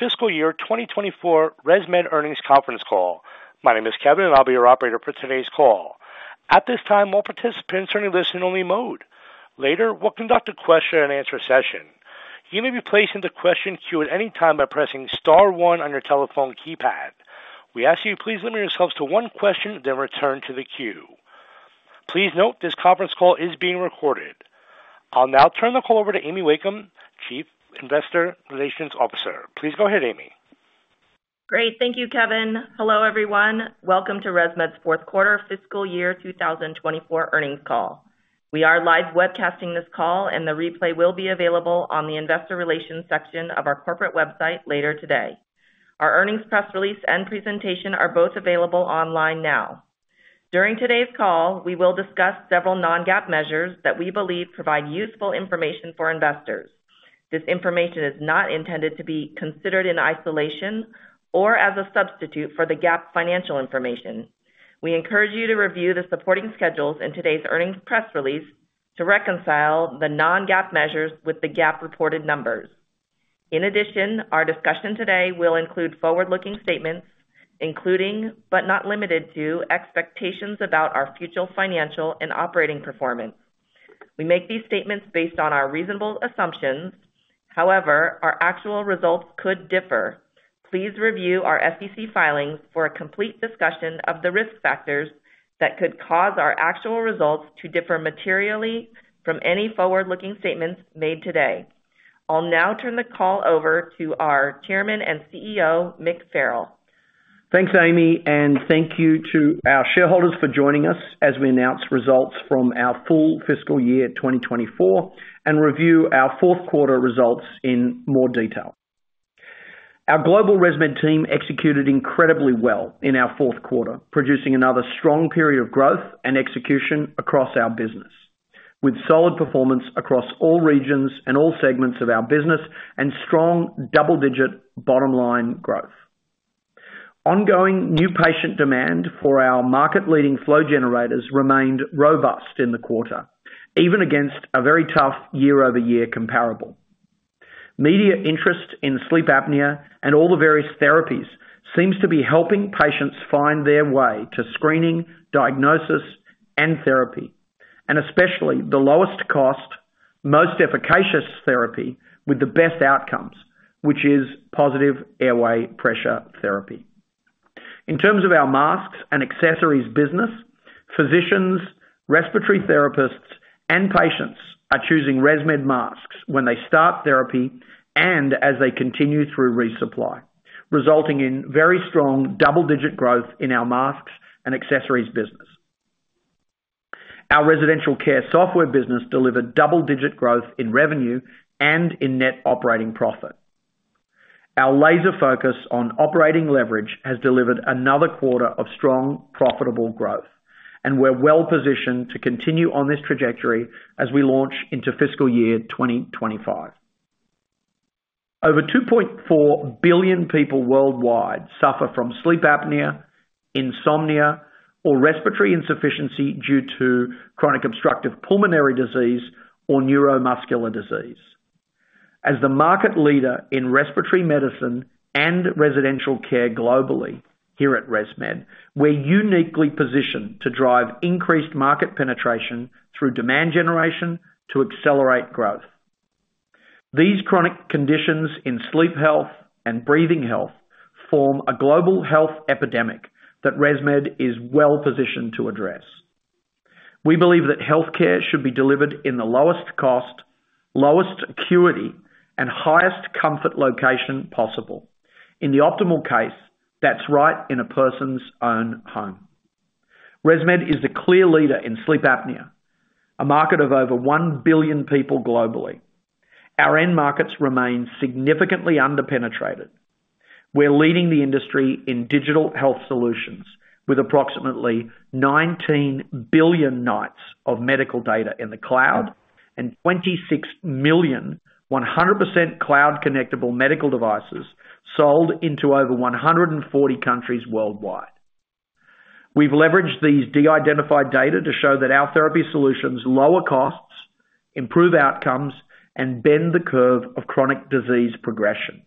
Fiscal Year 2024 ResMed Earnings Conference Call. My name is Kevin, and I'll be your operator for today's call. At this time, all participants are in a listen-only mode. Later, we'll conduct a question-and-answer session. You may be placed in the question queue at any time by pressing *1 on your telephone keypad. We ask you to please limit yourselves to one question, then return to the queue. Please note, this conference call is being recorded. I'll now turn the call over to Amy Wakeham, Chief Investor Relations Officer. Please go ahead, Amy. Great. Thank you, Kevin. Hello, everyone. Welcome to ResMed's fourth quarter fiscal year 2024 Earnings Call. We are live webcasting this call, and the replay will be available on the Investor Relations section of our corporate website later today. Our earnings press release and presentation are both available online now. During today's call, we will discuss several non-GAAP measures that we believe provide useful information for investors. This information is not intended to be considered in isolation or as a substitute for the GAAP financial information. We encourage you to review the supporting schedules in today's earnings press release to reconcile the non-GAAP measures with the GAAP reported numbers. In addition, our discussion today will include forward-looking statements, including, but not limited to, expectations about our future financial and operating performance. We make these statements based on our reasonable assumptions. However, our actual results could differ. Please review our SEC filings for a complete discussion of the risk factors that could cause our actual results to differ materially from any forward-looking statements made today. I'll now turn the call over to our Chairman and CEO, Mick Farrell. Thanks, Amy, and thank you to our shareholders for joining us as we announce results from our full fiscal year 2024 and review our fourth quarter results in more detail. Our global ResMed team executed incredibly well in our fourth quarter, producing another strong period of growth and execution across our business, with solid performance across all regions and all segments of our business and strong double-digit bottom line growth. Ongoing new patient demand for our market-leading flow generators remained robust in the quarter, even against a very tough year-over-year comparable. Media interest in sleep apnea and all the various therapies seems to be helping patients find their way to screening, diagnosis, and therapy, and especially the lowest cost, most efficacious therapy with the best outcomes, which is positive airway pressure therapy. In terms of our masks and accessories business, physicians, respiratory therapists, and patients are choosing ResMed masks when they start therapy and as they continue through resupply, resulting in very strong double-digit growth in our masks and accessories business. Our residential care software business delivered double-digit growth in revenue and in net operating profit. Our laser focus on operating leverage has delivered another quarter of strong, profitable growth, and we're well positioned to continue on this trajectory as we launch into fiscal year 2025. Over 2.4 billion people worldwide suffer from sleep apnea, insomnia, or respiratory insufficiency due to chronic obstructive pulmonary disease or neuromuscular disease. As the market leader in respiratory medicine and residential care globally here at ResMed, we're uniquely positioned to drive increased market penetration through demand generation to accelerate growth. These chronic conditions in sleep health and breathing health form a global health epidemic that ResMed is well positioned to address. We believe that healthcare should be delivered in the lowest cost, lowest acuity, and highest comfort location possible. In the optimal case, that's right in a person's own home. ResMed is the clear leader in sleep apnea, a market of over 1 billion people globally. Our end markets remain significantly under penetrated. We're leading the industry in digital health solutions with approximately 19 billion nights of medical data in the cloud and 26 million 100% cloud connectable medical devices sold into over 140 countries worldwide. We've leveraged these de-identified data to show that our therapy solutions lower costs, improve outcomes, and bend the curve of chronic disease progression.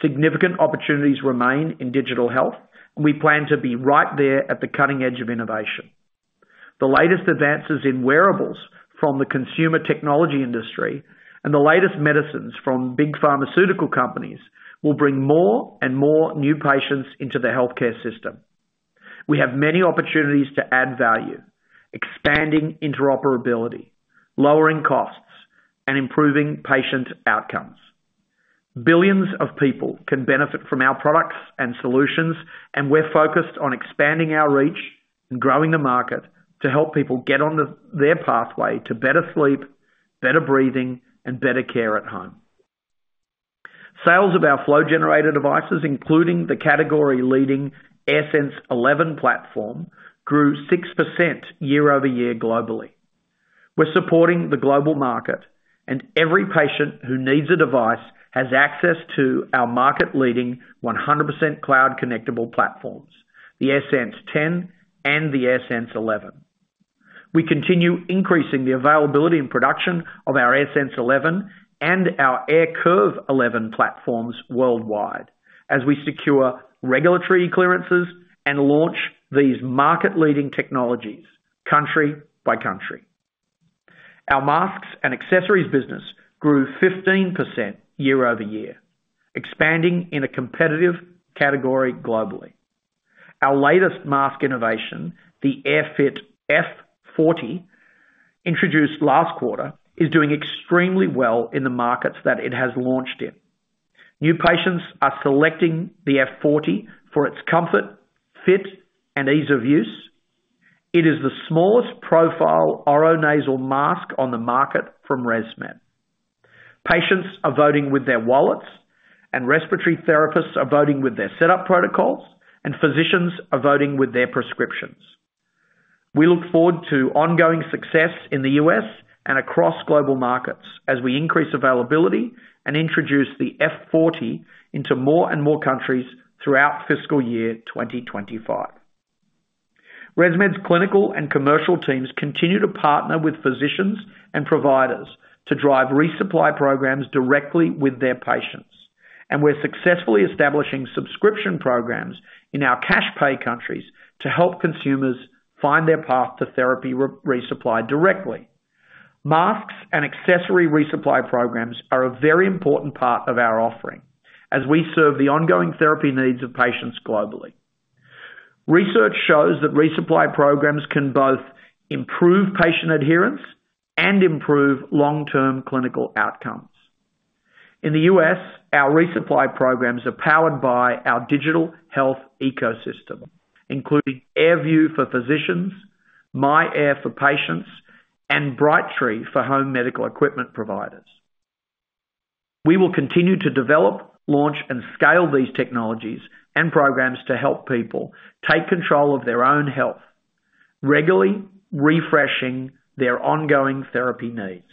Significant opportunities remain in digital health, and we plan to be right there at the cutting edge of innovation. The latest advances in wearables from the consumer technology industry and the latest medicines from big pharmaceutical companies will bring more and more new patients into the healthcare system. We have many opportunities to add value, expanding interoperability, lowering costs, and improving patient outcomes. Billions of people can benefit from our products and solutions, and we're focused on expanding our reach and growing the market to help people get on their pathway to better sleep, better breathing, and better care at home. Sales of our flow generator devices, including the category-leading AirSense 11 platform, grew 6% year-over-year globally. We're supporting the global market, and every patient who needs a device has access to our market-leading 100% cloud connectable platforms, the AirSense 10 and the AirSense 11. We continue increasing the availability and production of our AirSense 11 and our AirCurve 11 platforms worldwide, as we secure regulatory clearances and launch these market-leading technologies country by country. Our masks and accessories business grew 15% year over year, expanding in a competitive category globally. Our latest mask innovation, the AirFit F40, introduced last quarter, is doing extremely well in the markets that it has launched in. New patients are selecting the F40 for its comfort, fit, and ease of use. It is the smallest profile oronasal mask on the market from ResMed. Patients are voting with their wallets, and respiratory therapists are voting with their setup protocols, and physicians are voting with their prescriptions. We look forward to ongoing success in the US and across global markets as we increase availability and introduce the F40 into more and more countries throughout fiscal year 2025. ResMed's clinical and commercial teams continue to partner with physicians and providers to drive resupply programs directly with their patients, and we're successfully establishing subscription programs in our cash pay countries to help consumers find their path to therapy resupply directly. Masks and accessory resupply programs are a very important part of our offering as we serve the ongoing therapy needs of patients globally. Research shows that resupply programs can both improve patient adherence and improve long-term clinical outcomes. In the US, our resupply programs are powered by our digital health ecosystem, including AirView for physicians, myAir for patients, and Brightree for home medical equipment providers. We will continue to develop, launch, and scale these technologies and programs to help people take control of their own health, regularly refreshing their ongoing therapy needs.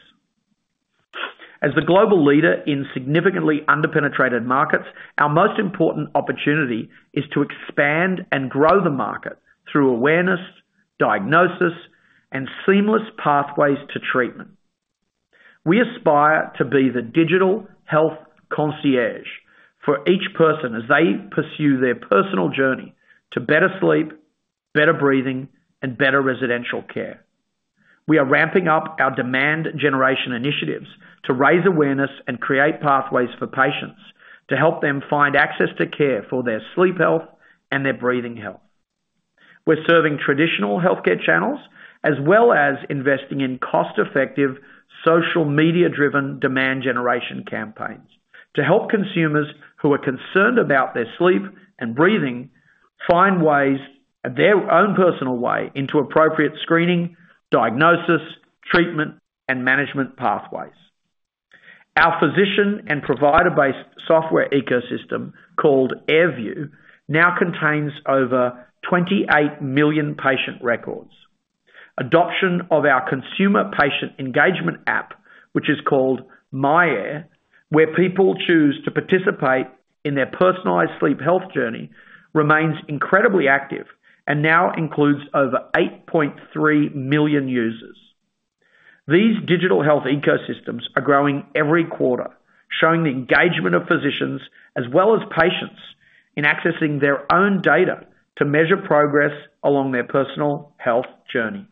As the global leader in significantly under-penetrated markets, our most important opportunity is to expand and grow the market through awareness, diagnosis, and seamless pathways to treatment. We aspire to be the digital health concierge for each person as they pursue their personal journey to better sleep, better breathing, and better residential care. We are ramping up our demand generation initiatives to raise awareness and create pathways for patients to help them find access to care for their sleep health and their breathing health. We're serving traditional healthcare channels, as well as investing in cost-effective, social media-driven demand generation campaigns, to help consumers who are concerned about their sleep and breathing find ways, their own personal way into appropriate screening, diagnosis, treatment, and management pathways. Our physician and provider-based software ecosystem, called AirView, now contains over 28 million patient records. Adoption of our consumer patient engagement app, which is called myAir, where people choose to participate in their personalized sleep health journey, remains incredibly active and now includes over 8.3 million users. These digital health ecosystems are growing every quarter, showing the engagement of physicians as well as patients in accessing their own data to measure progress along their personal health journey.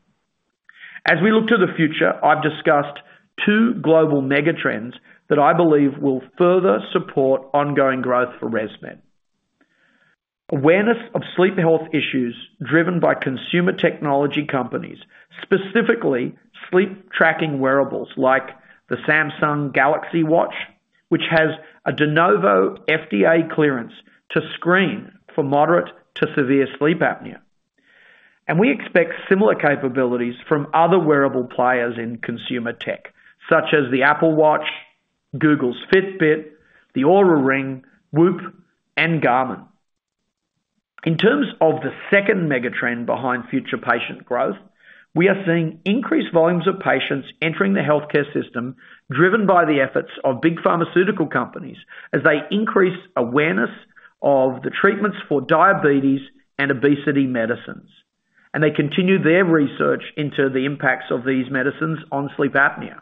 As we look to the future, I've discussed two global mega trends that I believe will further support ongoing growth for ResMed. Awareness of sleep health issues driven by consumer technology companies, specifically sleep tracking wearables like the Samsung Galaxy Watch, which has a De Novo FDA clearance to screen for moderate to severe sleep apnea. We expect similar capabilities from other wearable players in consumer tech, such as the Apple Watch, Google's Fitbit, the Oura Ring, Whoop, and Garmin. In terms of the second mega trend behind future patient growth, we are seeing increased volumes of patients entering the healthcare system, driven by the efforts of big pharmaceutical companies as they increase awareness of the treatments for diabetes and obesity medicines, and they continue their research into the impacts of these medicines on sleep apnea.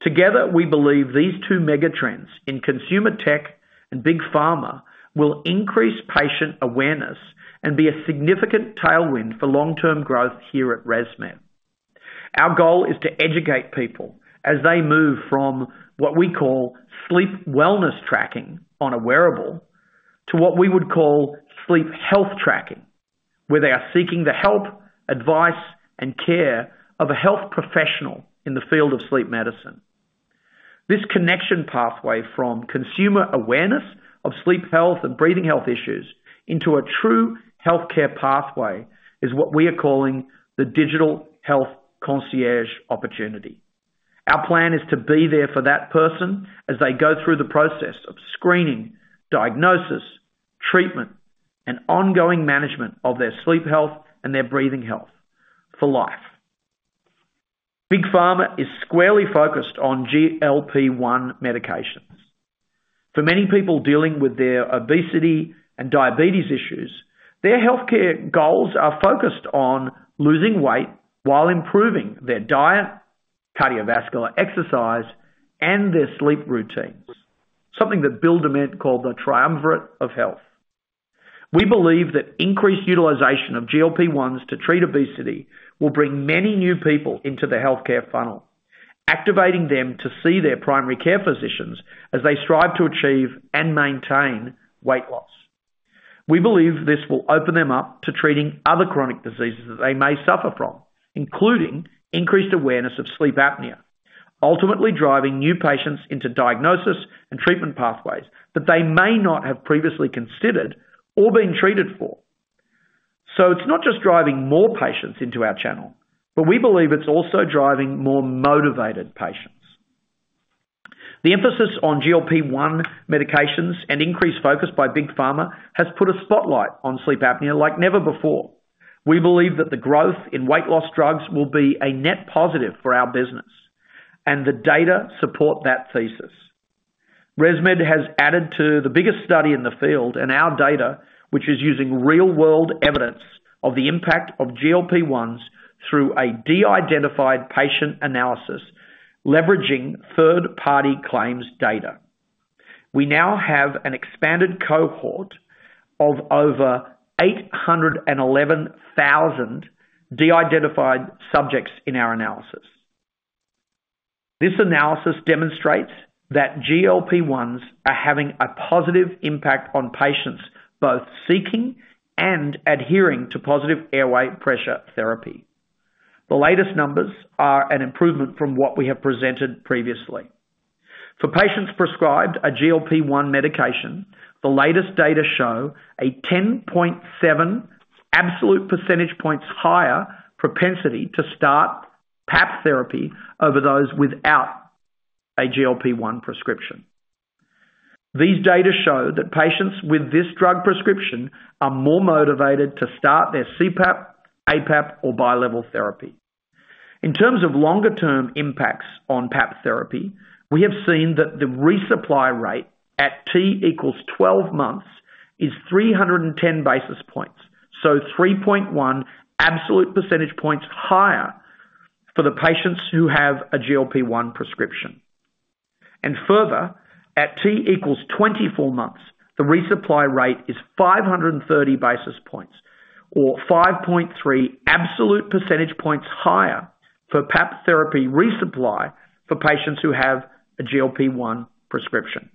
Together, we believe these two mega trends in consumer tech and big pharma will increase patient awareness and be a significant tailwind for long-term growth here at ResMed. Our goal is to educate people as they move from what we call sleep wellness tracking on a wearable, to what we would call sleep health tracking, where they are seeking the help, advice, and care of a health professional in the field of sleep medicine. This connection pathway from consumer awareness of sleep health and breathing health issues into a true healthcare pathway is what we are calling the digital health concierge opportunity. Our plan is to be there for that person as they go through the process of screening, diagnosis, treatment, and ongoing management of their sleep health and their breathing health for life. Big Pharma is squarely focused on GLP-1 medications. For many people dealing with their obesity and diabetes issues, their healthcare goals are focused on losing weight while improving their diet, cardiovascular exercise, and their sleep routines, something that Bill Dement called the triumvirate of health. We believe that increased utilization of GLP-1s to treat obesity will bring many new people into the healthcare funnel, activating them to see their primary care physicians as they strive to achieve and maintain weight loss. We believe this will open them up to treating other chronic diseases that they may suffer from, including increased awareness of sleep apnea, ultimately driving new patients into diagnosis and treatment pathways that they may not have previously considered or been treated for. So it's not just driving more patients into our channel, but we believe it's also driving more motivated patients. The emphasis on GLP-1 medications and increased focus by big pharma has put a spotlight on sleep apnea like never before. We believe that the growth in weight loss drugs will be a net positive for our business, and the data support that thesis. ResMed has added to the biggest study in the field, and our data, which is using real-world evidence of the impact of GLP-1s through a de-identified patient analysis, leveraging third-party claims data. We now have an expanded cohort of over 811,000 de-identified subjects in our analysis. This analysis demonstrates that GLP-1s are having a positive impact on patients, both seeking and adhering to positive airway pressure therapy. The latest numbers are an improvement from what we have presented previously. For patients prescribed a GLP-1 medication, the latest data show a 10.7 absolute percentage points higher propensity to start PAP therapy over those without a GLP-1 prescription. These data show that patients with this drug prescription are more motivated to start their CPAP, APAP, or bilevel therapy. In terms of longer-term impacts on PAP therapy, we have seen that the resupply rate at T equals 12 months is 310 basis points, so 3.1 absolute percentage points higher for the patients who have a GLP-1 prescription. Further, at T equals 24 months, the resupply rate is 530 basis points or 5.3 absolute percentage points higher for PAP therapy resupply for patients who have a GLP-1 prescription.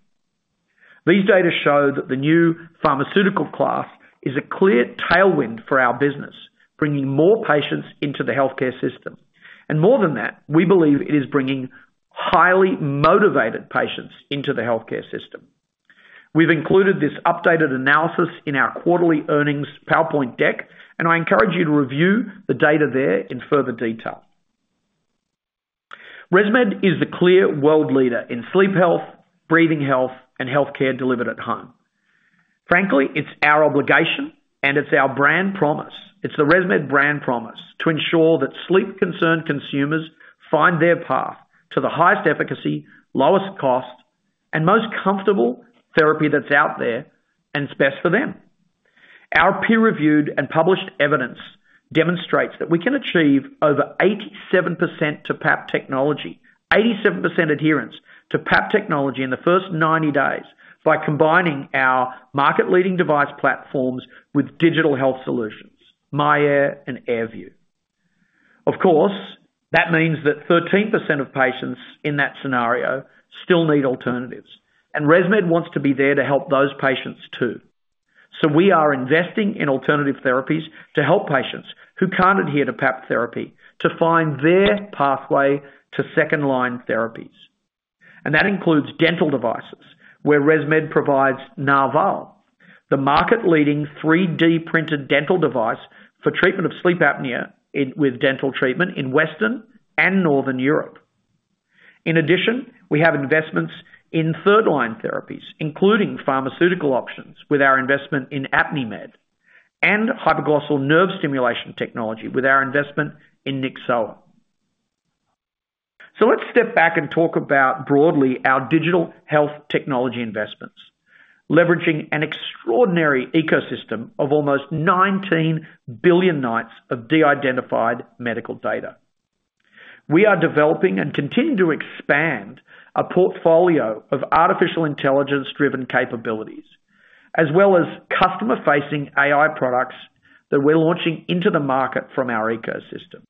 These data show that the new pharmaceutical class is a clear tailwind for our business, bringing more patients into the healthcare system. More than that, we believe it is bringing highly motivated patients into the healthcare system. We've included this updated analysis in our quarterly earnings PowerPoint deck, and I encourage you to review the data there in further detail. ResMed is the clear world leader in sleep health, breathing health, and healthcare delivered at home. Frankly, it's our obligation and it's our brand promise. It's the ResMed brand promise to ensure that sleep-concerned consumers find their path to the highest efficacy, lowest cost, and most comfortable therapy that's out there and is best for them. Our peer-reviewed and published evidence demonstrates that we can achieve over 87% to PAP technology, 87% adherence to PAP technology in the first 90 days by combining our market-leading device platforms with digital health solutions, myAir and AirView. Of course, that means that 13% of patients in that scenario still need alternatives, and ResMed wants to be there to help those patients, too. So we are investing in alternative therapies to help patients who can't adhere to PAP therapy to find their pathway to second-line therapies. That includes dental devices, where ResMed provides Narval, the market-leading 3D-printed dental device for treatment of sleep apnea in with dental treatment in Western and Northern Europe. In addition, we have investments in third-line therapies, including pharmaceutical options with our investment in Apnimed, and hypoglossal nerve stimulation technology with our investment in Nyxoah. So let's step back and talk about broadly our digital health technology investments, leveraging an extraordinary ecosystem of almost 19 billion nights of de-identified medical data. We are developing and continuing to expand a portfolio of artificial intelligence-driven capabilities, as well as customer-facing AI products that we're launching into the market from our ecosystem.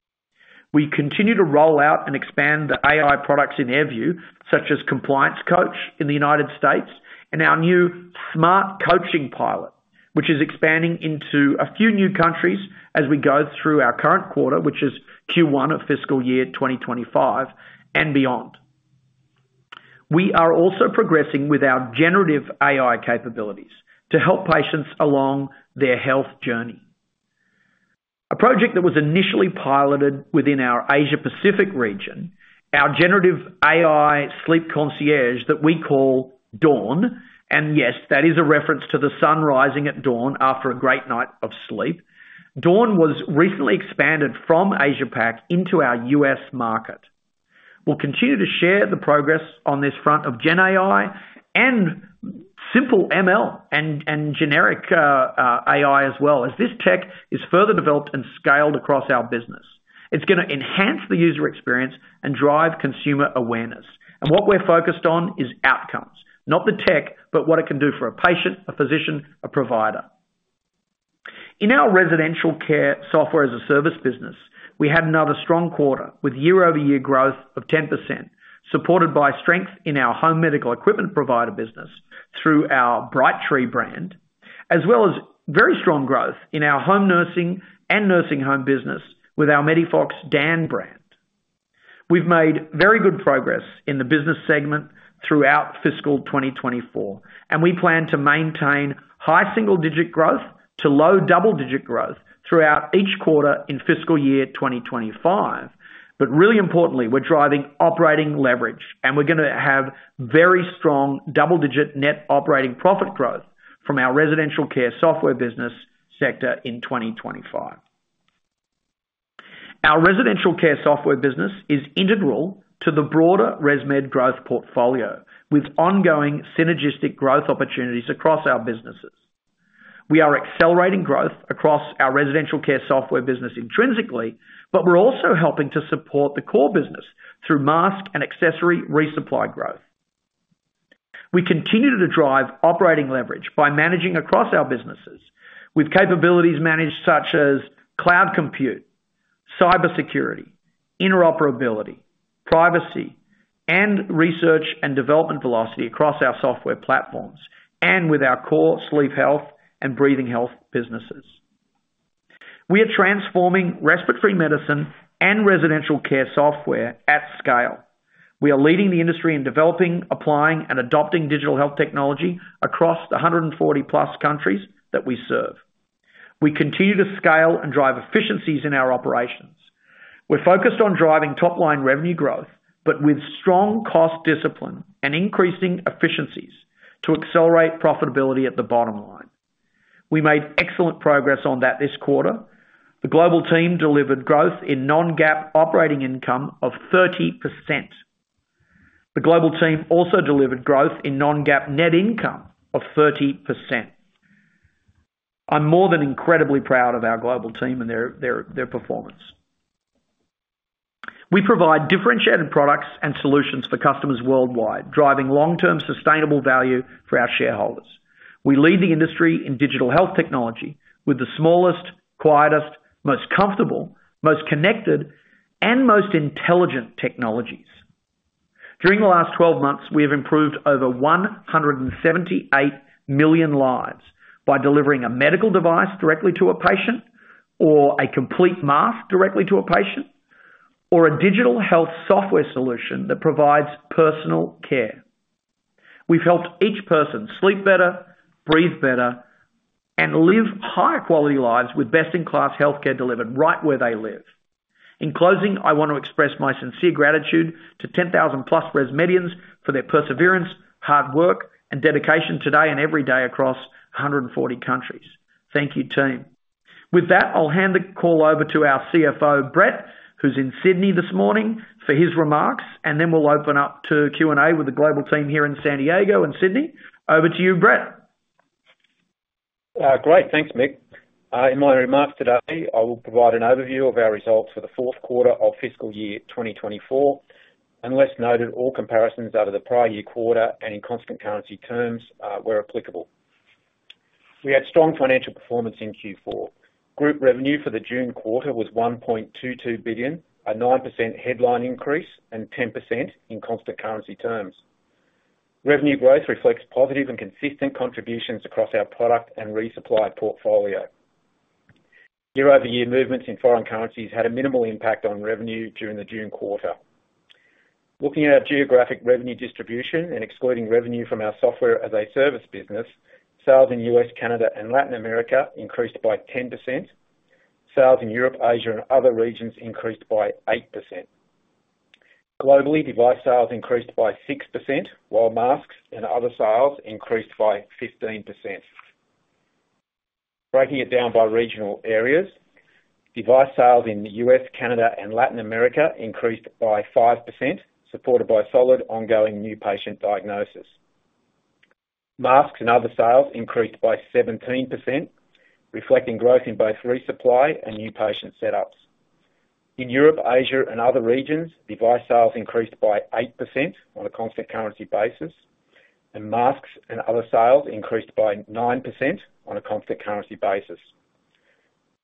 We continue to roll out and expand the AI products in AirView, such as Compliance Coach in the United States and our new Smart Coaching Pilot, which is expanding into a few new countries as we go through our current quarter, which is Q1 of fiscal year 2025 and beyond. We are also progressing with our generative AI capabilities to help patients along their health journey. A project that was initially piloted within our Asia Pacific region, our generative AI sleep concierge that we call Dawn, and yes, that is a reference to the sun rising at dawn after a great night of sleep. Dawn was recently expanded from AsiaPac into our US market.... We'll continue to share the progress on this front of Gen AI and simple ML and, and generic AI as well, as this tech is further developed and scaled across our business. It's gonna enhance the user experience and drive consumer awareness. And what we're focused on is outcomes, not the tech, but what it can do for a patient, a physician, a provider. In our residential care software as a service business, we had another strong quarter, with year-over-year growth of 10%, supported by strength in our home medical equipment provider business through our Brightree brand, as well as very strong growth in our home nursing and nursing home business with our MEDIFOX DAN brand. We've made very good progress in the business segment throughout fiscal 2024, and we plan to maintain high single-digit growth to low double-digit growth throughout each quarter in fiscal year 2025. But really importantly, we're driving operating leverage, and we're gonna have very strong double-digit net operating profit growth from our residential care software business sector in 2025. Our residential care software business is integral to the broader ResMed growth portfolio, with ongoing synergistic growth opportunities across our businesses. We are accelerating growth across our residential care software business intrinsically, but we're also helping to support the core business through mask and accessory resupply growth. We continue to drive operating leverage by managing across our businesses, with capabilities managed such as cloud compute, cybersecurity, interoperability, privacy, and research and development velocity across our software platforms, and with our core sleep health and breathing health businesses. We are transforming respiratory medicine and residential care software at scale. We are leading the industry in developing, applying, and adopting digital health technology across the 140+ countries that we serve. We continue to scale and drive efficiencies in our operations. We're focused on driving top line revenue growth, but with strong cost discipline and increasing efficiencies to accelerate profitability at the bottom line. We made excellent progress on that this quarter. The global team delivered growth in non-GAAP operating income of 30%. The global team also delivered growth in non-GAAP net income of 30%. I'm more than incredibly proud of our global team and their performance. We provide differentiated products and solutions for customers worldwide, driving long-term sustainable value for our shareholders. We lead the industry in digital health technology with the smallest, quietest, most comfortable, most connected, and most intelligent technologies. During the last 12 months, we have improved over 178 million lives by delivering a medical device directly to a patient, or a complete mask directly to a patient, or a digital health software solution that provides personal care. We've helped each person sleep better, breathe better, and live higher quality lives with best-in-class healthcare delivered right where they live. In closing, I want to express my sincere gratitude to 10,000+ ResMedians for their perseverance, hard work, and dedication today and every day across 140 countries. Thank you, team. With that, I'll hand the call over to our CFO, Brett, who's in Sydney this morning, for his remarks, and then we'll open up to Q&A with the global team here in San Diego and Sydney. Over to you, Brett. Great. Thanks, Mick. In my remarks today, I will provide an overview of our results for the fourth quarter of fiscal year 2024. Unless noted, all comparisons are to the prior year quarter and in constant currency terms, where applicable. We had strong financial performance in Q4. Group revenue for the June quarter was $1.22 billion, a 9% headline increase, and 10% in constant currency terms. Revenue growth reflects positive and consistent contributions across our product and resupply portfolio. Year-over-year movements in foreign currencies had a minimal impact on revenue during the June quarter. Looking at our geographic revenue distribution and excluding revenue from our software as a service business, sales in U.S., Canada, and Latin America increased by 10%. Sales in Europe, Asia, and other regions increased by 8%. Globally, device sales increased by 6%, while masks and other sales increased by 15%. Breaking it down by regional areas, device sales in the U.S., Canada, and Latin America increased by 5%, supported by solid, ongoing new patient diagnosis. Masks and other sales increased by 17%, reflecting growth in both resupply and new patient setups. In Europe, Asia, and other regions, device sales increased by 8% on a constant currency basis, and masks and other sales increased by 9% on a constant currency basis.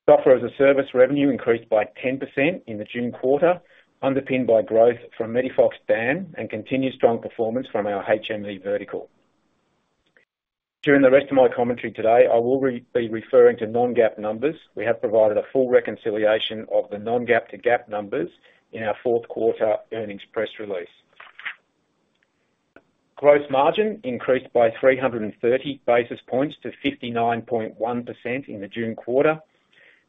Software as a service revenue increased by 10% in the June quarter, underpinned by growth from MEDIFOX DAN and continued strong performance from our HME vertical. During the rest of my commentary today, I will be referring to non-GAAP numbers. We have provided a full reconciliation of the non-GAAP to GAAP numbers in our fourth quarter earnings press release. Gross margin increased by 330 basis points to 59.1% in the June quarter.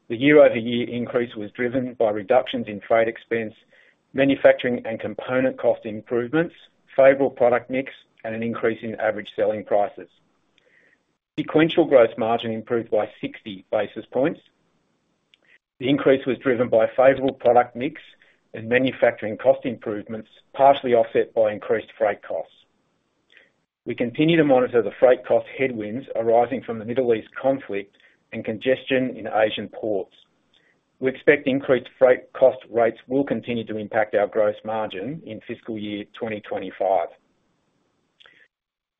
The year-over-year increase was driven by reductions in trade expense, manufacturing and component cost improvements, favorable product mix, and an increase in average selling prices.... Sequential gross margin improved by 60 basis points. The increase was driven by favorable product mix and manufacturing cost improvements, partially offset by increased freight costs. We continue to monitor the freight cost headwinds arising from the Middle East conflict and congestion in Asian ports. We expect increased freight cost rates will continue to impact our gross margin in fiscal year 2025.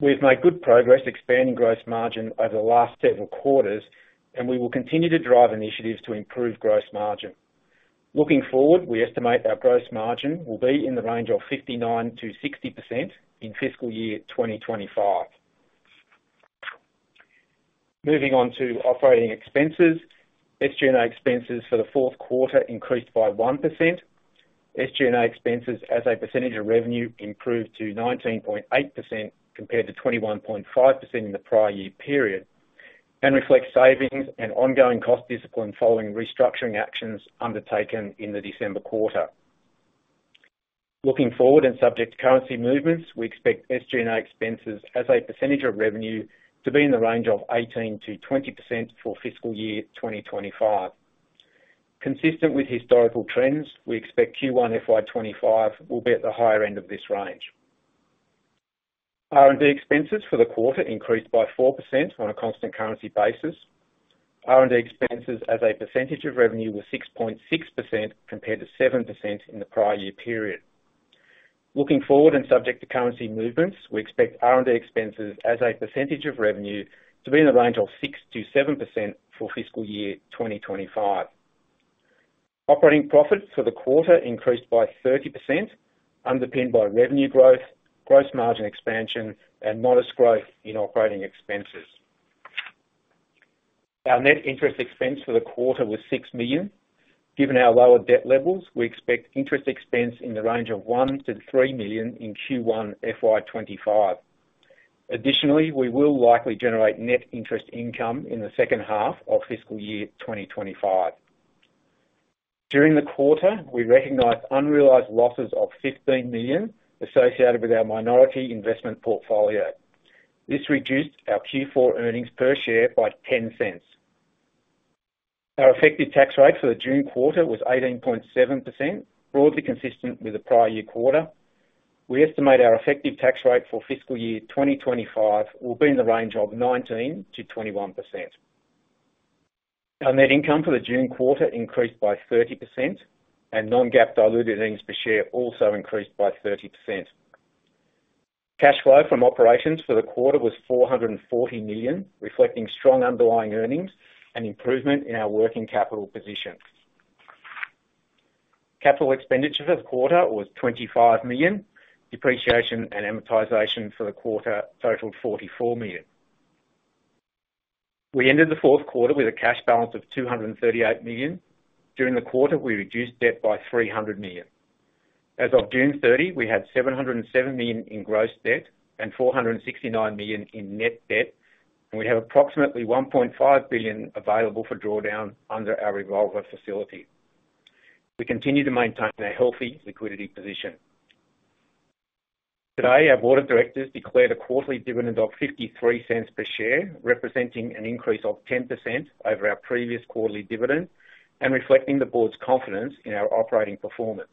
We've made good progress expanding gross margin over the last several quarters, and we will continue to drive initiatives to improve gross margin. Looking forward, we estimate our gross margin will be in the range of 59%-60% in fiscal year 2025. Moving on to operating expenses. SG&A expenses for the fourth quarter increased by 1%. SG&A expenses as a percentage of revenue improved to 19.8% compared to 21.5% in the prior year period, and reflects savings and ongoing cost discipline following restructuring actions undertaken in the December quarter. Looking forward, and subject to currency movements, we expect SG&A expenses as a percentage of revenue to be in the range of 18%-20% for fiscal year 2025. Consistent with historical trends, we expect Q1 FY 2025 will be at the higher end of this range. R&D expenses for the quarter increased by 4% on a constant currency basis. R&D expenses as a percentage of revenue were 6.6% compared to 7% in the prior year period. Looking forward, and subject to currency movements, we expect R&D expenses as a percentage of revenue to be in the range of 6%-7% for fiscal year 2025. Operating profits for the quarter increased by 30%, underpinned by revenue growth, gross margin expansion, and modest growth in operating expenses. Our net interest expense for the quarter was $6 million. Given our lower debt levels, we expect interest expense in the range of $1 million-$3 million in Q1 FY 2025. Additionally, we will likely generate net interest income in the second half of fiscal year 2025. During the quarter, we recognized unrealized losses of $15 million associated with our minority investment portfolio. This reduced our Q4 earnings per share by $0.10. Our effective tax rate for the June quarter was 18.7%, broadly consistent with the prior year quarter. We estimate our effective tax rate for fiscal year 2025 will be in the range of 19%-21%. Our net income for the June quarter increased by 30%, and non-GAAP diluted earnings per share also increased by 30%. Cash flow from operations for the quarter was $440 million, reflecting strong underlying earnings and improvement in our working capital position. Capital expenditures this quarter was $25 million. Depreciation and amortization for the quarter totaled $44 million. We ended the fourth quarter with a cash balance of $238 million. During the quarter, we reduced debt by $300 million. As of June 30, we had $707 million in gross debt and $469 million in net debt, and we have approximately $1.5 billion available for drawdown under our revolver facility. We continue to maintain a healthy liquidity position. Today, our board of directors declared a quarterly dividend of $0.53 per share, representing an increase of 10% over our previous quarterly dividend and reflecting the board's confidence in our operating performance.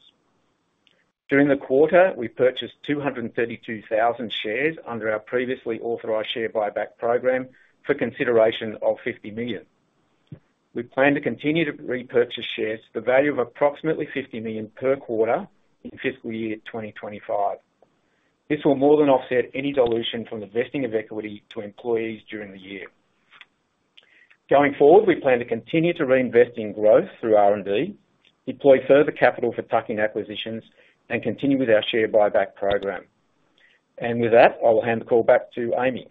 During the quarter, we purchased 232,000 shares under our previously authorized share buyback program for consideration of $50 million. We plan to continue to repurchase shares to the value of approximately $50 million per quarter in fiscal year 2025. This will more than offset any dilution from the vesting of equity to employees during the year. Going forward, we plan to continue to reinvest in growth through R&D, deploy further capital for tuck-in acquisitions, and continue with our share buyback program. With that, I will hand the call back to Amy.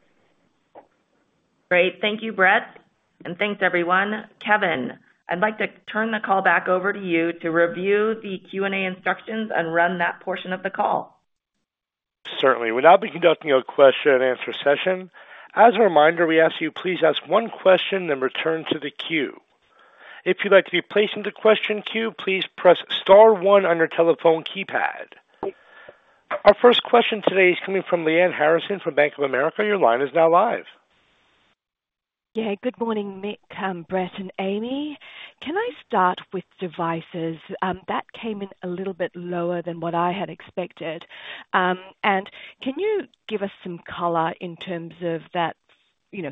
Great. Thank you, Brett, and thanks everyone. Kevin, I'd like to turn the call back over to you to review the Q&A instructions and run that portion of the call. Certainly, we'll now be conducting a question-and-answer session. As a reminder, we ask you please ask one question then return to the queue. If you'd like to be placed into question queue, please press star one on your telephone keypad. Our first question today is coming from Lyanne Harrison from Bank of America. Your line is now live. Yeah, good morning, Mick, Brett, and Amy. Can I start with devices? That came in a little bit lower than what I had expected. And can you give us some color in terms of that, you know,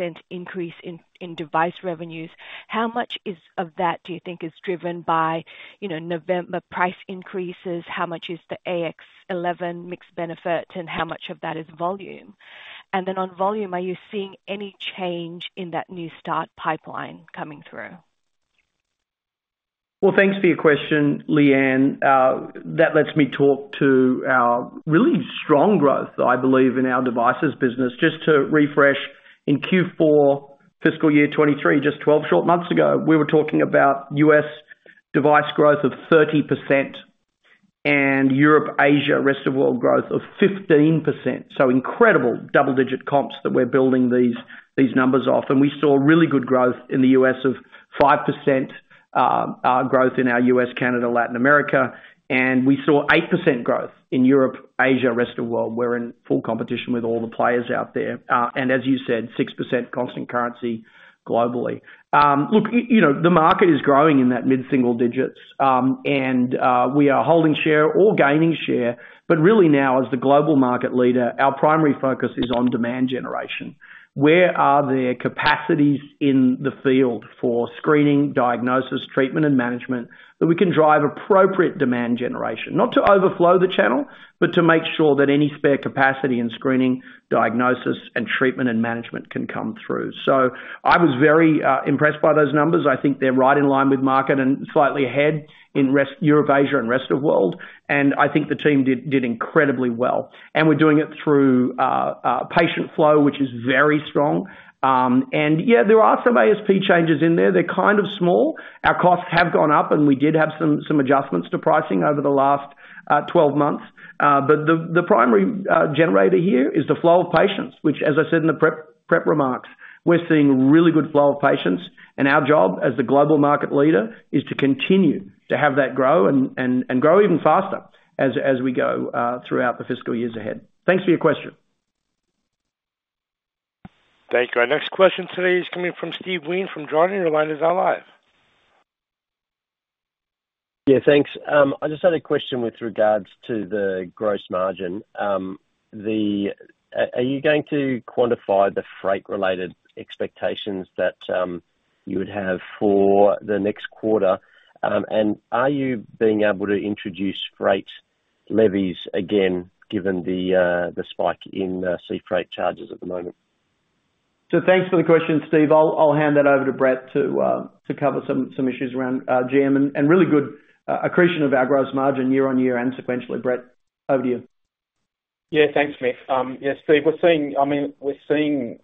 6% increase in device revenues? How much of that do you think is driven by, you know, November price increases? How much is the AS11 mix benefit, and how much of that is volume? And then on volume, are you seeing any change in that new start pipeline coming through? Well, thanks for your question, Lyanne. That lets me talk to our really strong growth, I believe, in our devices business. Just to refresh, in Q4 fiscal year 2023, just 12 short months ago, we were talking about US device growth of 30%.... and Europe, Asia, rest of world growth of 15%. So incredible double-digit comps that we're building these, these numbers off. And we saw really good growth in the U.S. of 5%, our growth in our U.S., Canada, Latin America, and we saw 8% growth in Europe, Asia, rest of world. We're in full competition with all the players out there. And as you said, 6% constant currency globally. Look, you know, the market is growing in that mid-single digits, and we are holding share or gaining share. But really now, as the global market leader, our primary focus is on demand generation. Where are there capacities in the field for screening, diagnosis, treatment, and management, that we can drive appropriate demand generation? Not to overflow the channel, but to make sure that any spare capacity in screening, diagnosis, and treatment and management can come through. So I was very impressed by those numbers. I think they're right in line with market and slightly ahead in rest of Europe, Asia, and rest of world. And I think the team did incredibly well. And we're doing it through patient flow, which is very strong. And yeah, there are some ASP changes in there. They're kind of small. Our costs have gone up, and we did have some adjustments to pricing over the last 12 months. But the primary generator here is the flow of patients, which, as I said in the prep remarks, we're seeing really good flow of patients, and our job as the global market leader is to continue to have that grow and grow even faster as we go throughout the fiscal years ahead. Thanks for your question. Thank you. Our next question today is coming from Steve Wheen from Jarden, your line is now live. Yeah, thanks. I just had a question with regards to the gross margin. Are you going to quantify the freight-related expectations that you would have for the next quarter? And are you being able to introduce freight levies again, given the spike in sea freight charges at the moment? So thanks for the question, Steve. I'll hand that over to Brett to cover some issues around GM, and really good accretion of our gross margin year on year and sequentially. Brett, over to you. Yeah, thanks, Mick. Yeah, Steve, we're seeing I mean, we're seeing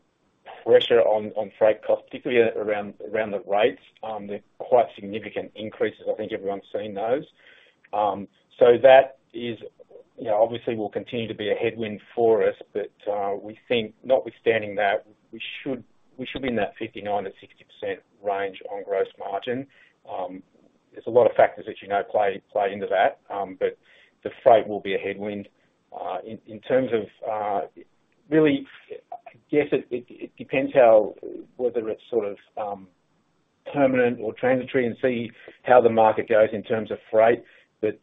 pressure on freight costs, particularly around the rates. They're quite significant increases. I think everyone's seen those. So that is, you know, obviously will continue to be a headwind for us, but we think notwithstanding that, we should be in that 59%-60% range on gross margin. There's a lot of factors that, you know, play into that, but the freight will be a headwind. In terms of really, I guess it depends how whether it's sort of permanent or transitory, and see how the market goes in terms of freight. But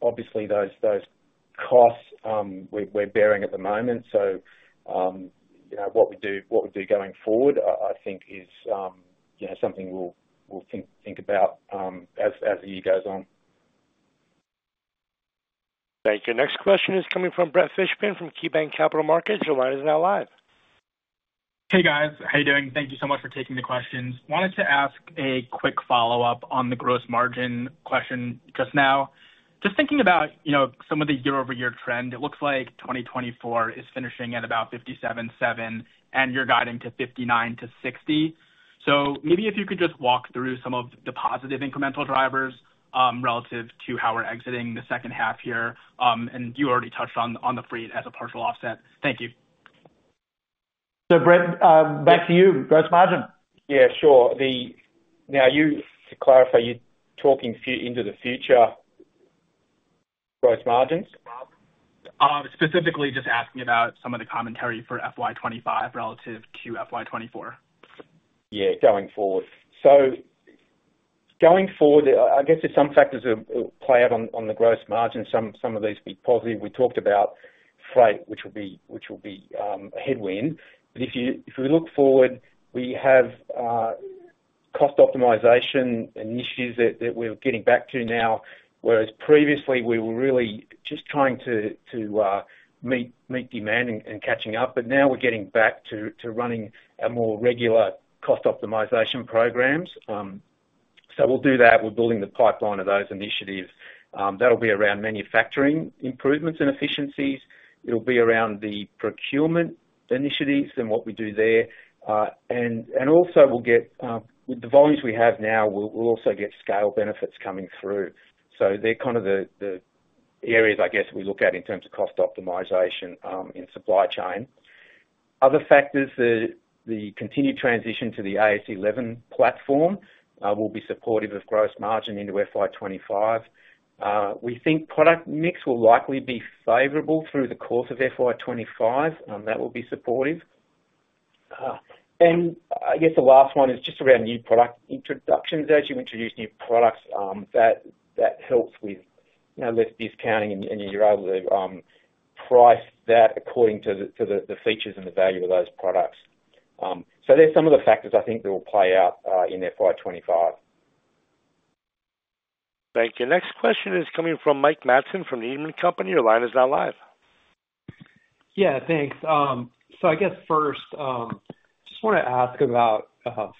obviously those costs we're bearing at the moment. You know, what we do going forward, I think is something we'll think about as the year goes on. Thank you. Next question is coming from Brett Fishbin, from KeyBanc Capital Markets. Your line is now live. Hey, guys. How you doing? Thank you so much for taking the questions. Wanted to ask a quick follow-up on the gross margin question just now. Just thinking about, you know, some of the year-over-year trend, it looks like 2024 is finishing at about 57.7%, and you're guiding to 59%-60%. So maybe if you could just walk through some of the positive incremental drivers relative to how we're exiting the second half year, and you already touched on the freight as a partial offset. Thank you. So Brett, back to you, gross margin. Yeah, sure. Now, to clarify, you're talking forward into the future gross margins? Specifically just asking about some of the commentary for FY 25 relative to FY 24? Yeah, going forward. So going forward, I guess there's some factors that play out on the gross margin. Some of these be positive. We talked about freight, which will be a headwind. But if you, if we look forward, we have cost optimization and issues that we're getting back to now, whereas previously we were really just trying to meet demand and catching up, but now we're getting back to running a more regular cost optimization programs. So we'll do that. We're building the pipeline of those initiatives. That'll be around manufacturing improvements and efficiencies. It'll be around the procurement initiatives and what we do there. And also we'll get, with the volumes we have now, we'll also get scale benefits coming through. So they're kind of the areas I guess we look at in terms of cost optimization in supply chain. Other factors, the continued transition to the AirSense 11 platform will be supportive of gross margin into FY 25. We think product mix will likely be favorable through the course of FY 25, that will be supportive. And I guess the last one is just around new product introductions. As you introduce new products, that helps with, you know, less discounting and you're able to price that according to the features and the value of those products. So there's some of the factors I think that will play out in FY 25. Thank you. Next question is coming from Mike Matson from Needham & Company. Your line is now live. Yeah, thanks. So I guess first, just wanna ask about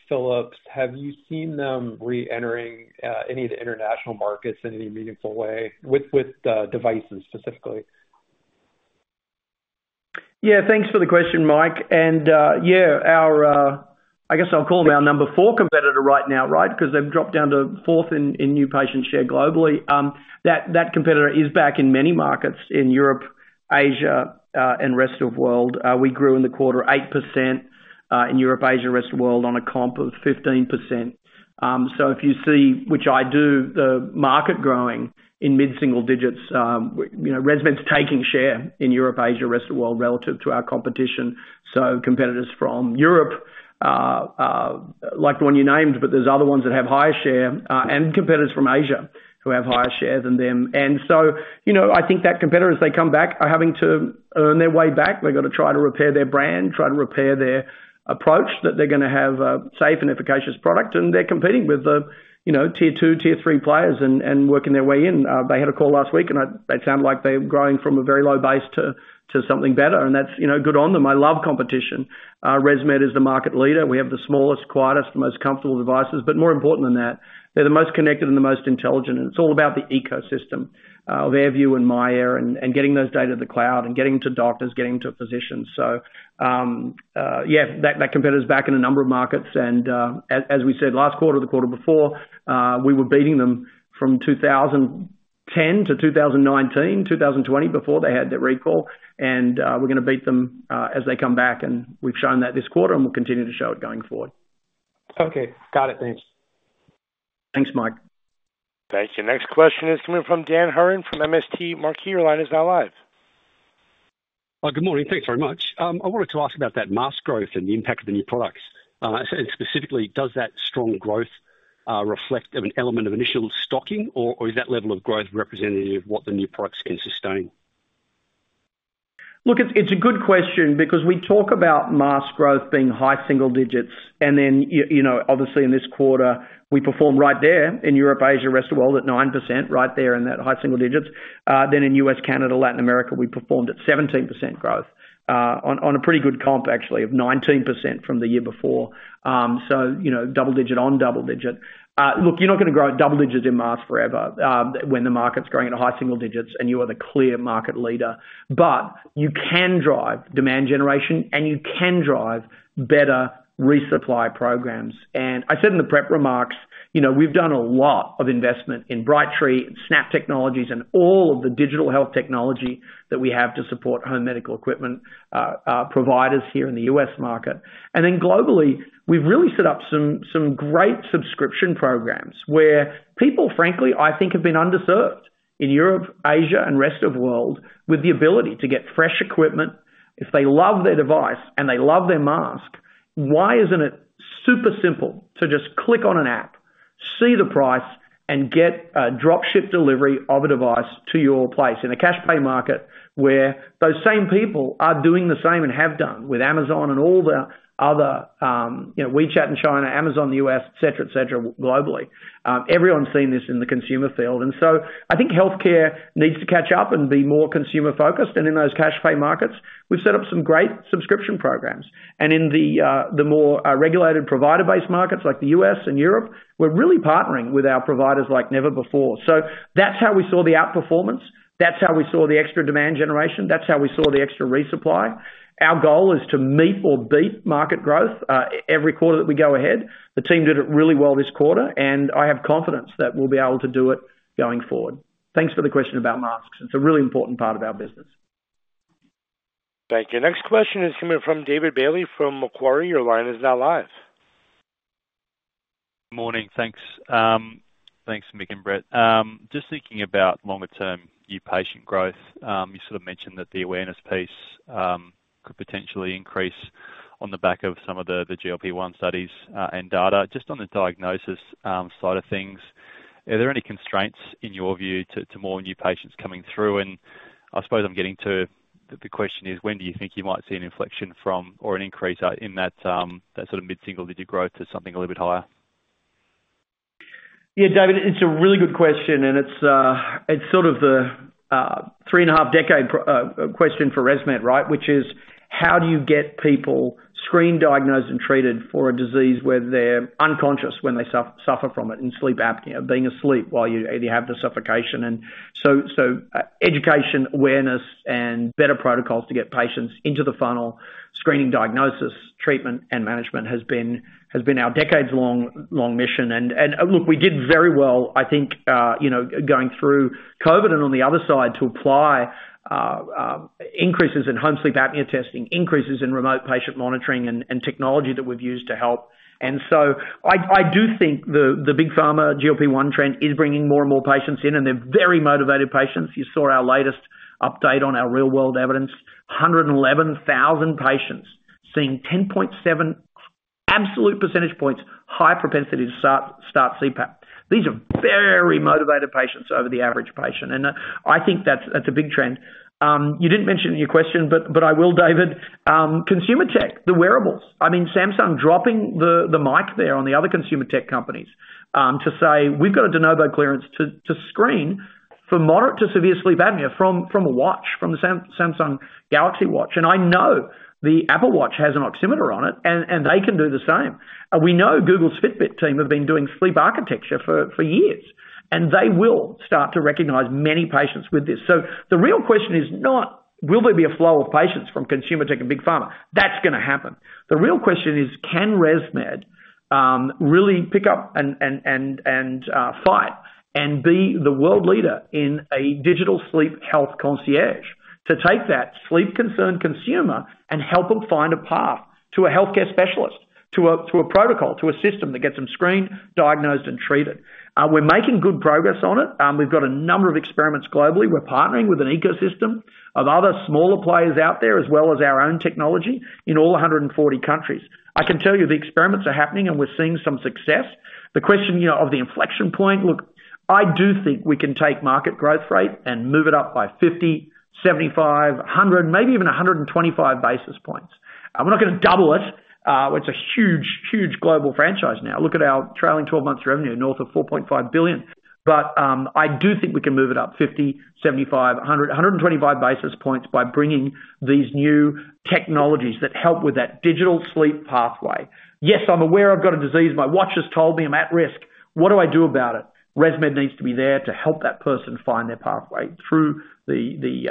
Philips. Have you seen them reentering any of the international markets in any meaningful way with devices specifically? Yeah, thanks for the question, Mike. And, yeah, our, I guess I'll call them our number 4 competitor right now, right? Because they've dropped down to fourth in new patient share globally. That competitor is back in many markets in Europe, Asia, and rest of world. We grew in the quarter 8%, in Europe, Asia, rest of world, on a comp of 15%. So if you see, which I do, the market growing in mid-single digits, you know, ResMed's taking share in Europe, Asia, rest of world, relative to our competition. So competitors from Europe, like the one you named, but there's other ones that have higher share, and competitors from Asia, who have higher share than them. And so, you know, I think that competitor, as they come back, are having to earn their way back. They've got to try to repair their brand, try to repair their approach, that they're gonna have a safe and efficacious product, and they're competing with the, you know, tier two, tier three players and, and working their way in. They had a call last week, and they sound like they're growing from a very low base to, to something better, and that's, you know, good on them. I love competition. ResMed is the market leader. We have the smallest, quietest, most comfortable devices, but more important than that, they're the most connected and the most intelligent, and it's all about the ecosystem of AirView and MyAir and, and getting those data to the cloud and getting to doctors, getting to physicians. Yeah, that competitor's back in a number of markets, and, as we said last quarter, the quarter before, we were beating them from 2010 to 2019, 2020, before they had their recall, and, we're gonna beat them, as they come back, and we've shown that this quarter, and we'll continue to show it going forward. Okay. Got it. Thanks. Thanks, Mike. Thank you. Next question is coming from Dan Hurren from MST Marquee. Your line is now live. Good morning. Thanks very much. I wanted to ask about that mask growth and the impact of the new products. And specifically, does that strong growth reflect an element of initial stocking, or is that level of growth representative of what the new products can sustain? Look, it's a good question because we talk about mask growth being high single digits, and then you know, obviously in this quarter, we performed right there in Europe, Asia, rest of world, at 9%, right there in that high single digits. Then in U.S., Canada, Latin America, we performed at 17% growth, on a pretty good comp, actually, of 19% from the year before. So you know, double digit on double digit. Look, you're not gonna grow at double digits in mask forever, when the market's growing at a high single digits, and you are the clear market leader, but you can drive demand generation, and you can drive better resupply programs. And I said in the prep remarks, you know, we've done a lot of investment in Brightree and Snap Technologies and all of the digital health technology that we have to support home medical equipment providers here in the U.S. market. And then globally, we've really set up some great subscription programs where people, frankly, I think, have been underserved in Europe, Asia, and rest of world, with the ability to get fresh equipment. If they love their device and they love their mask, why isn't it super simple to just click on an app, see the price, and get a drop ship delivery of a device to your place? In a cash pay market, where those same people are doing the same, and have done with Amazon and all the other, you know, WeChat in China, Amazon in the U.S., et cetera, et cetera, globally. Everyone's seen this in the consumer field, and so I think healthcare needs to catch up and be more consumer-focused, and in those cash pay markets, we've set up some great subscription programs. In the more regulated provider-based markets like the US and Europe, we're really partnering with our providers like never before. So that's how we saw the outperformance, that's how we saw the extra demand generation, that's how we saw the extra resupply. Our goal is to meet or beat market growth, every quarter that we go ahead. The team did it really well this quarter, and I have confidence that we'll be able to do it going forward. Thanks for the question about masks. It's a really important part of our business. Thank you. Next question is coming from David Bailey from Macquarie. Your line is now live. Morning. Thanks. Thanks, Mick and Brett. Just thinking about longer-term new patient growth. You sort of mentioned that the awareness piece could potentially increase on the back of some of the, the GLP-1 studies, and data. Just on the diagnosis side of things, are there any constraints, in your view, to, to more new patients coming through? And I suppose I'm getting to... The, the question is, when do you think you might see an inflection from, or an increase in that, that sort of mid-single digit growth to something a little bit higher? Yeah, David, it's a really good question, and it's, it's sort of the, 3.5-decade question for ResMed, right? Which is: How do you get people screened, diagnosed, and treated for a disease where they're unconscious when they suffer from it, in sleep apnea, being asleep while you have the suffocation? So, education, awareness, and better protocols to get patients into the funnel, screening, diagnosis, treatment, and management has been our decades-long mission. And, look, we did very well, I think, you know, going through COVID and on the other side, to apply increases in home sleep apnea testing, increases in remote patient monitoring and technology that we've used to help. I do think the big pharma GLP-1 trend is bringing more and more patients in, and they're very motivated patients. You saw our latest update on our real-world evidence, 111,000 patients seeing 10.7 absolute percentage points, high propensity to start CPAP. These are very motivated patients over the average patient, and I think that's a big trend. You didn't mention in your question, but I will, David, consumer tech, the wearables. I mean, Samsung dropping the mic there on the other consumer tech companies, to say: We've got a De Novo clearance to screen for moderate to severe sleep apnea, from a watch, from the Samsung Galaxy Watch, and I know the Apple Watch has an oximeter on it, and they can do the same. We know Google's Fitbit team have been doing sleep architecture for years, and they will start to recognize many patients with this. So the real question is not, will there be a flow of patients from consumer tech and big pharma? That's gonna happen. The real question is: Can ResMed really pick up and fight and be the world leader in a digital sleep health concierge, to take that sleep-concerned consumer and help them find a path to a healthcare specialist, to a protocol, to a system that gets them screened, diagnosed, and treated? We're making good progress on it. We've got a number of experiments globally. We're partnering with an ecosystem of other smaller players out there, as well as our own technology in all 140 countries. I can tell you the experiments are happening, and we're seeing some success. The question, you know, of the inflection point, look, I do think we can take market growth rate and move it up by 50, 75, 100, maybe even 125 basis points. And we're not gonna double it. It's a huge, huge global franchise now. Look at our trailing 12 months revenue, north of $4.5 billion. But, I do think we can move it up 50, 75, 100, 125 basis points by bringing these new technologies that help with that digital sleep pathway. Yes, I'm aware I've got a disease. My watch has told me I'm at risk. What do I do about it? ResMed needs to be there to help that person find their pathway through the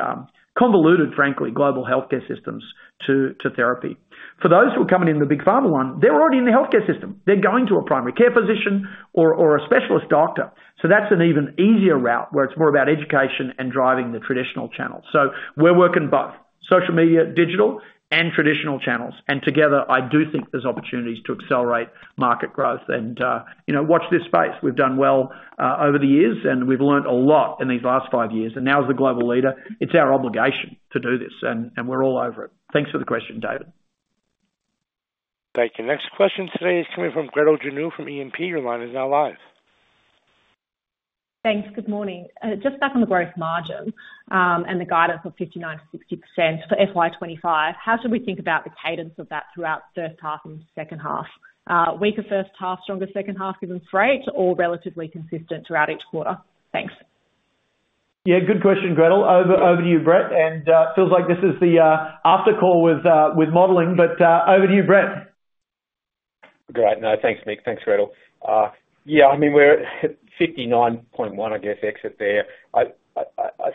convoluted, frankly, global healthcare systems to therapy. For those who are coming in the big pharma one, they're already in the healthcare system. They're going to a primary care physician or a specialist doctor, so that's an even easier route, where it's more about education and driving the traditional channel. So we're working both social media, digital, and traditional channels, and together, I do think there's opportunities to accelerate market growth and, you know, watch this space. We've done well over the years, and we've learned a lot in these last five years, and now as the global leader, it's our obligation to do this, and we're all over it. Thanks for the question, David. Thank you. Next question today is coming from Gretel Janu from E&P. Your line is now live. Thanks. Good morning. Just back on the growth margin, and the guidance of 59%-60% for FY 2025, how should we think about the cadence of that throughout first half and second half? Weaker first half, stronger second half, given freight, or relatively consistent throughout each quarter? Thanks. Yeah, good question, Gretel. Over to you, Brett, and feels like this is the after call with modeling, but over to you, Brett. Great. No, thanks, Mick. Thanks, Gretel. Yeah, I mean, we're at 59.1, I guess, exit there. I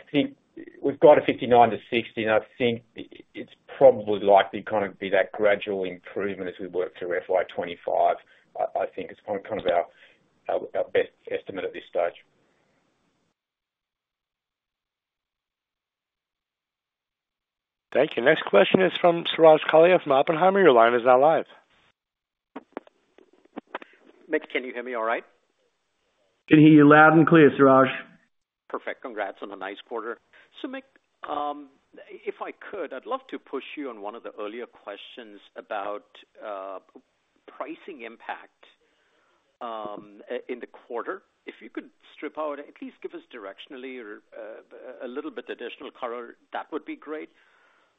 think we've got a 59-60, and I think it's probably likely kind of be that gradual improvement as we work through FY 2025. I think it's kind of our best estimate at this stage. Thank you. Next question is from Suraj Kalia from Oppenheimer. Your line is now live. Mick, can you hear me all right? Can hear you loud and clear, Suraj. Perfect. Congrats on a nice quarter. So, Mick, if I could, I'd love to push you on one of the earlier questions about pricing impact in the quarter. If you could strip out, at least give us directionally or a little bit additional color, that would be great.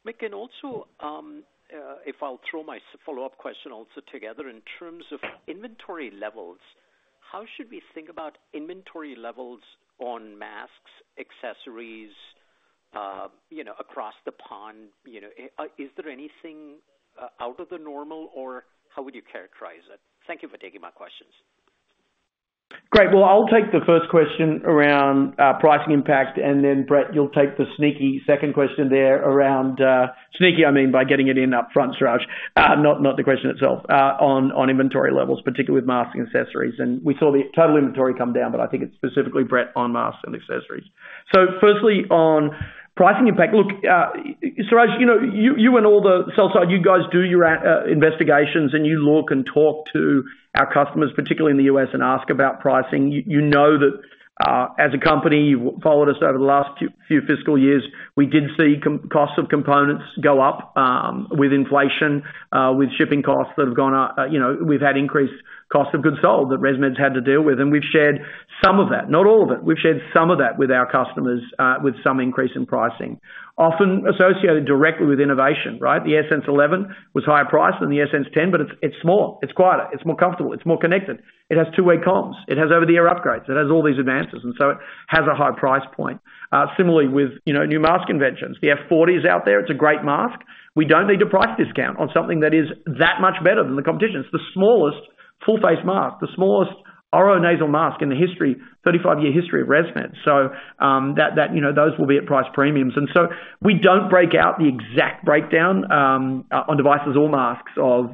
Mick, and also, if I'll throw my follow-up question also together in terms of inventory levels, how should we think about inventory levels on masks, accessories, you know, across the pond? You know, is there anything out of the normal, or how would you characterize it? Thank you for taking my questions. Great. Well, I'll take the first question around pricing impact, and then Brett, you'll take the sneaky second question there around... Sneaky, I mean, by getting it in upfront, Suraj, not the question itself, on inventory levels, particularly with masks and accessories. And we saw the total inventory come down, but I think it's specifically Brett on masks and accessories. So firstly, on pricing impact, look, Suraj, you know, you and all the sell side, you guys do your investigations, and you look and talk to our customers, particularly in the US, and ask about pricing. You know that, as a company, you've followed us over the last few fiscal years. We did see costs of components go up, with inflation, with shipping costs that have gone up. You know, we've had increased costs of goods sold that ResMed's had to deal with, and we've shared some of that, not all of it. We've shared some of that with our customers, with some increase in pricing, often associated directly with innovation, right? The AirSense 11 was higher priced than the AirSense 10, but it's smaller, it's quieter, it's more comfortable, it's more connected. It has two-way comms. It has over-the-air upgrades. It has all these advances, and so it has a high price point. Similarly, you know, new mask inventions. The F40 is out there. It's a great mask. We don't need to price discount on something that is that much better than the competition. It's the smallest full-face mask, the smallest oronasal mask in the history, 35-year history of ResMed. So, that, you know, those will be at price premiums. And so we don't break out the exact breakdown on devices or masks of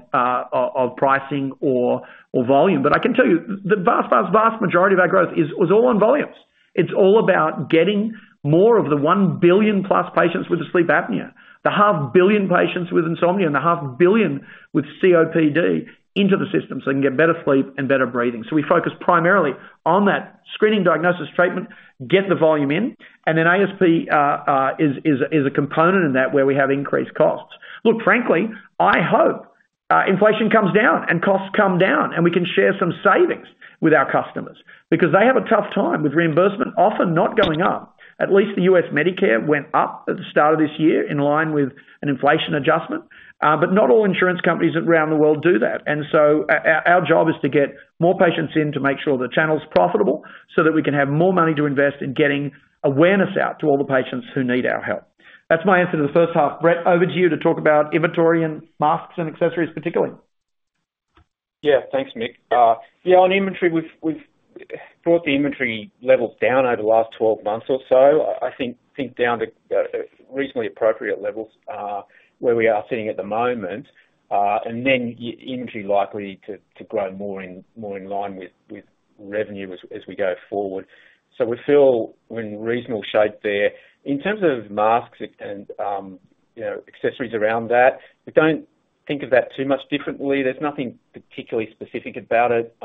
pricing or volume. But I can tell you, the vast, vast, vast majority of our growth is, was all on volumes. It's all about getting more of the 1 billion-plus patients with sleep apnea, the 500 million patients with insomnia, and the 500 million with COPD into the system, so they can get better sleep and better breathing. So we focus primarily on that screening, diagnosis, treatment, get the volume in, and then ASP is a component in that, where we have increased costs. Look, frankly, I hope inflation comes down and costs come down, and we can share some savings with our customers. Because they have a tough time with reimbursement often not going up. At least the U.S. Medicare went up at the start of this year in line with an inflation adjustment, but not all insurance companies around the world do that. And so our job is to get more patients in to make sure the channel's profitable, so that we can have more money to invest in getting awareness out to all the patients who need our help. That's my answer to the first half. Brett, over to you to talk about inventory and masks and accessories, particularly. Yeah, thanks, Mick. Yeah, on inventory, we've brought the inventory levels down over the last 12 months or so. I think down to reasonably appropriate levels, where we are sitting at the moment, and then inventory likely to grow more in line with revenue as we go forward. So we feel we're in reasonable shape there. In terms of masks and, you know, accessories around that, we don't think of that too much differently. There's nothing particularly specific about it.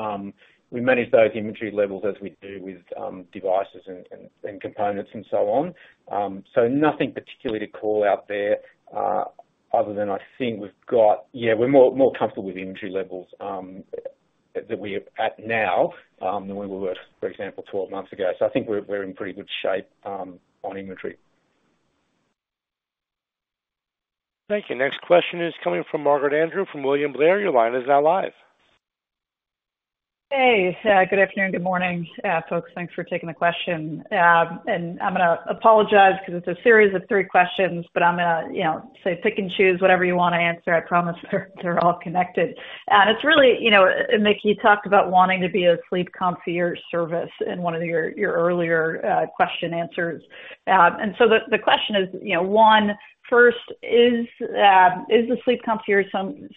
We manage those inventory levels as we do with devices and components and so on. So nothing particularly to call out there, other than I think we've got... Yeah, we're more comfortable with the inventory levels that we are at now than we were, for example, 12 months ago. So I think we're in pretty good shape on inventory. Thank you. Next question is coming from Margaret Andrew from William Blair. Your line is now live. Hey, good afternoon, good morning, folks. Thanks for taking the question. And I'm gonna apologize because it's a series of three questions, but I'm gonna, you know, say pick and choose whatever you wanna answer. I promise they're, they're all connected. And it's really, you know, Mick, you talked about wanting to be a sleep concierge service in one of your, your earlier, question answers. And so the question is, you know, one, first, is the sleep concierge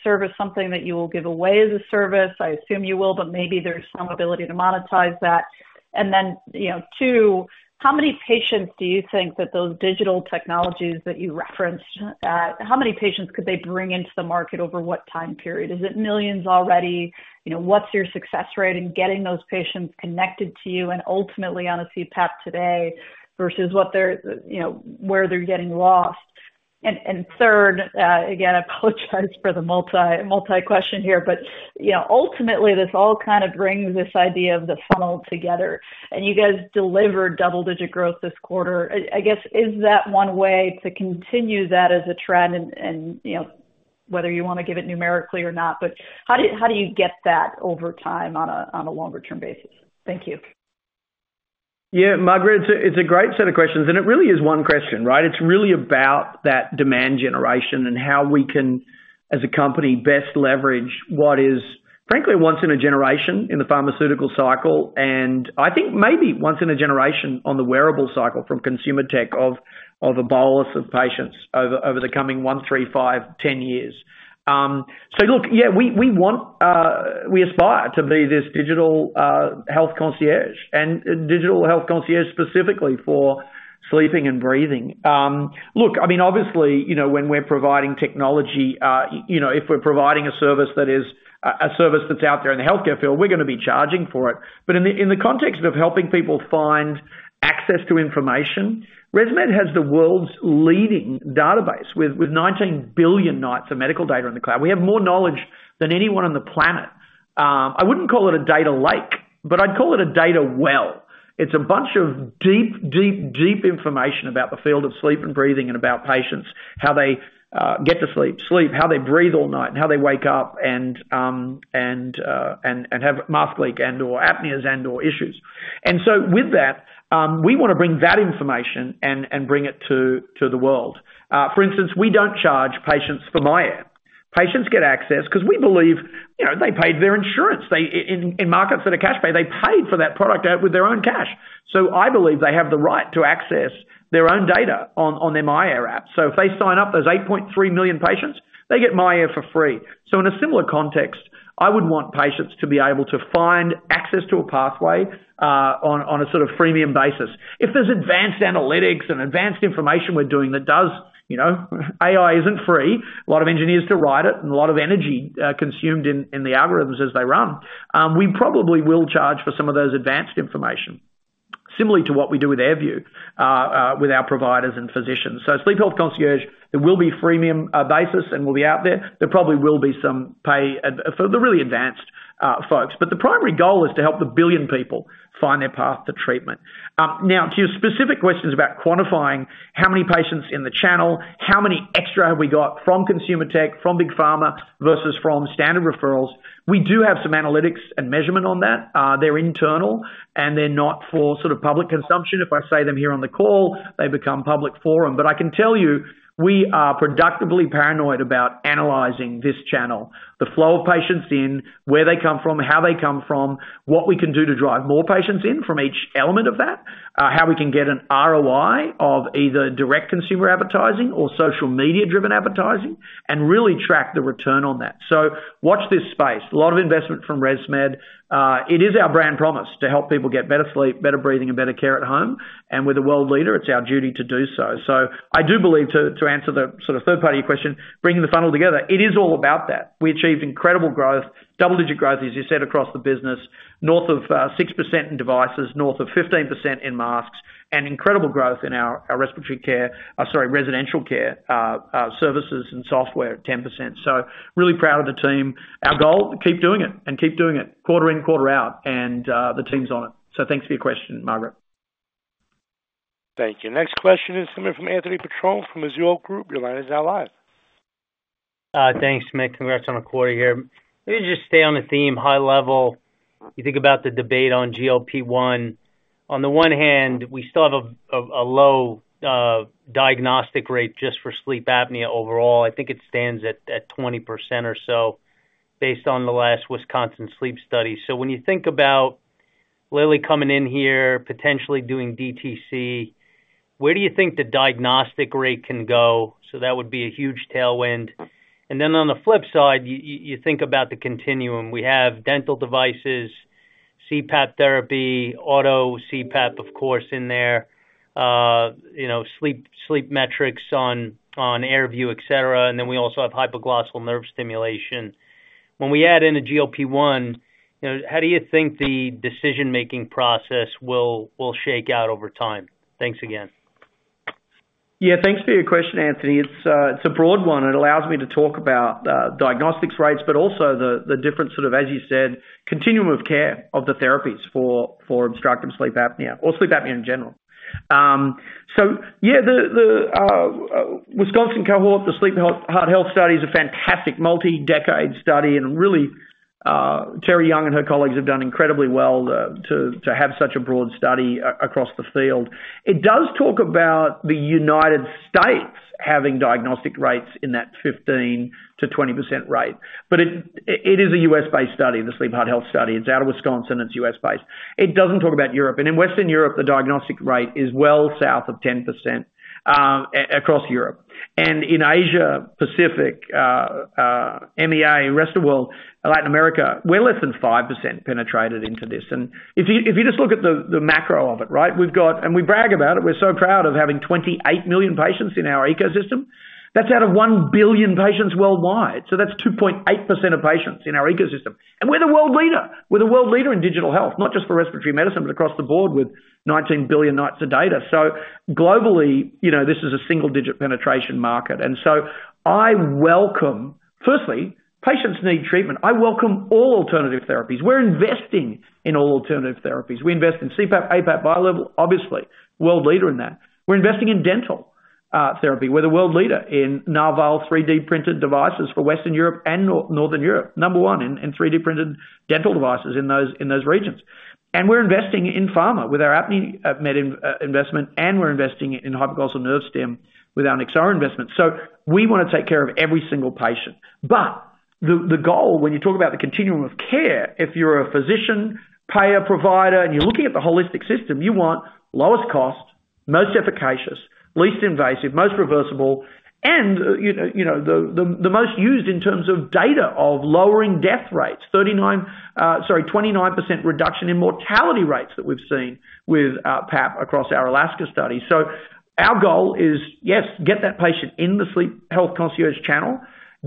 service something that you will give away as a service? I assume you will, but maybe there's some ability to monetize that. And then, you know, two, how many patients do you think that those digital technologies that you referenced, how many patients could they bring into the market over what time period? Is it millions already? You know, what's your success rate in getting those patients connected to you and ultimately on a CPAP today versus what they're, you know, where they're getting lost? And third, again, apologize for the multi question here, but you know, ultimately, this all kind of brings this idea of the funnel together, and you guys delivered double-digit growth this quarter. I guess, is that one way to continue that as a trend? And you know, whether you wanna give it numerically or not, but how do you get that over time on a longer term basis? Thank you. Yeah, Margaret, it's a, it's a great set of questions, and it really is one question, right? It's really about that demand generation and how we can, as a company, best leverage what is, frankly, once in a generation in the pharmaceutical cycle, and I think maybe once in a generation on the wearable cycle from consumer tech of, of a bolus of patients over, over the coming 1, 3, 5, 10 years. So look, yeah, we, we want, we aspire to be this digital health concierge and digital health concierge specifically for sleeping and breathing. Look, I mean, obviously, you know, when we're providing technology, you know, if we're providing a service that is a, a service that's out there in the healthcare field, we're gonna be charging for it. But in the context of helping people find access to information, ResMed has the world's leading database with 19 billion nights of medical data in the cloud. We have more knowledge than anyone on the planet. I wouldn't call it a data lake, but I'd call it a data well. It's a bunch of deep, deep, deep information about the field of sleep and breathing and about patients, how they get to sleep, sleep, how they breathe all night, and how they wake up, and have mask leak and/or apneas and/or issues. And so with that, we wanna bring that information and bring it to the world. For instance, we don't charge patients for myAir. Patients get access 'cause we believe, you know, they paid their insurance. In markets that are cash pay, they paid for that product out with their own cash. So I believe they have the right to access their own data on their myAir app. So if they sign up, those 8.3 million patients, they get myAir for free. So in a similar context, I would want patients to be able to find access to a pathway on a sort of freemium basis. If there's advanced analytics and advanced information we're doing that does... You know, AI isn't free. A lot of engineers to write it and a lot of energy consumed in the algorithms as they run. We probably will charge for some of those advanced information, similarly to what we do with AirView with our providers and physicians. So sleep health concierge, it will be freemium basis and will be out there. There probably will be some pay a- for the really advanced folks. But the primary goal is to help the 1 billion people find their path to treatment. Now, to your specific questions about quantifying how many patients in the channel, how many extra have we got from consumer tech, from big pharma versus from standard referrals, we do have some analytics and measurement on that. They're internal, and they're not for sort of public consumption. If I say them here on the call, they become public forum. But I can tell you, we are productively paranoid about analyzing this channel, the flow of patients in, where they come from, how they come from, what we can do to drive more patients in from each element of that, how we can get an ROI of either direct consumer advertising or social media-driven advertising, and really track the return on that. So watch this space. A lot of investment from ResMed. It is our brand promise to help people get better sleep, better breathing, and better care at home, and we're the world leader, it's our duty to do so. So I do believe to answer the sort of third part of your question, bringing the funnel together, it is all about that. We achieved incredible growth, double-digit growth, as you said, across the business, north of 6% in devices, north of 15% in masks, and incredible growth in our residential care services and software at 10%. So really proud of the team. Our goal, keep doing it and keep doing it, quarter in, quarter out, and the team's on it. So thanks for your question, Margaret. Thank you. Next question is coming from Anthony Petrone from Mizuho Group. Your line is now live. Thanks, Mick. Congrats on the quarter here. Let me just stay on the theme, high level. You think about the debate on GLP-1. On the one hand, we still have a low diagnostic rate just for sleep apnea overall. I think it stands at 20% or so based on the last Wisconsin sleep study. So when you think about Lilly coming in here, potentially doing DTC, where do you think the diagnostic rate can go? So that would be a huge tailwind. And then on the flip side, you think about the continuum. We have dental devices, CPAP therapy, auto CPAP, of course, in there, sleep metrics on AirView, et cetera, and then we also have hypoglossal nerve stimulation. When we add in a GLP-1, you know, how do you think the decision-making process will, will shake out over time? Thanks again. Yeah, thanks for your question, Anthony. It's, it's a broad one. It allows me to talk about, diagnostics rates, but also the different sort of, as you said, continuum of care of the therapies for, obstructive sleep apnea or sleep apnea in general. So yeah, the Wisconsin cohort, the Sleep Heart Health Study, is a fantastic multi-decade study, and really, Terry Young and her colleagues have done incredibly well, to have such a broad study across the field. It does talk about the United States having diagnostic rates in that 15%-20% rate, but it is a U.S.-based study, the Sleep Heart Health Study. It's out of Wisconsin, it's U.S.-based. It doesn't talk about Europe. And in Western Europe, the diagnostic rate is well south of 10%, across Europe. In Asia Pacific, MEA, rest of the world, Latin America, we're less than 5% penetrated into this. If you just look at the macro of it, right? We've got—and we brag about it. We're so proud of having 28 million patients in our ecosystem. That's out of 1 billion patients worldwide. So that's 2.8% of patients in our ecosystem. We're the world leader. We're the world leader in digital health, not just for respiratory medicine, but across the board with 19 billion nights of data. So globally, you know, this is a single-digit penetration market, and so I welcome... firstly, patients need treatment. I welcome all alternative therapies. We're investing in all alternative therapies. We invest in CPAP, APAP, bilevel, obviously, world leader in that. We're investing in dental therapy. We're the world leader in Narval 3D printed devices for Western Europe and Northern Europe. Number one in 3D printed dental devices in those regions. And we're investing in pharma with our Apnimed investment, and we're investing in hypoglossal nerve stim with our Nyxoah investment. So we wanna take care of every single patient. But the goal, when you talk about the continuum of care, if you're a physician, payer, provider, and you're looking at the holistic system, you want lowest cost, most efficacious, least invasive, most reversible, and you know, the most used in terms of data of lowering death rates, 39, sorry, 29% reduction in mortality rates that we've seen with PAP across our ALASKA study. So our goal is, yes, get that patient in the sleep health concierge channel,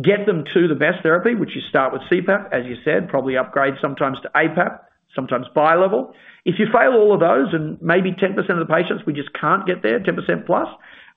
get them to the best therapy, which you start with CPAP, as you said, probably upgrade sometimes to APAP, sometimes bilevel. If you fail all of those and maybe 10% of the patients, we just can't get there, 10% plus,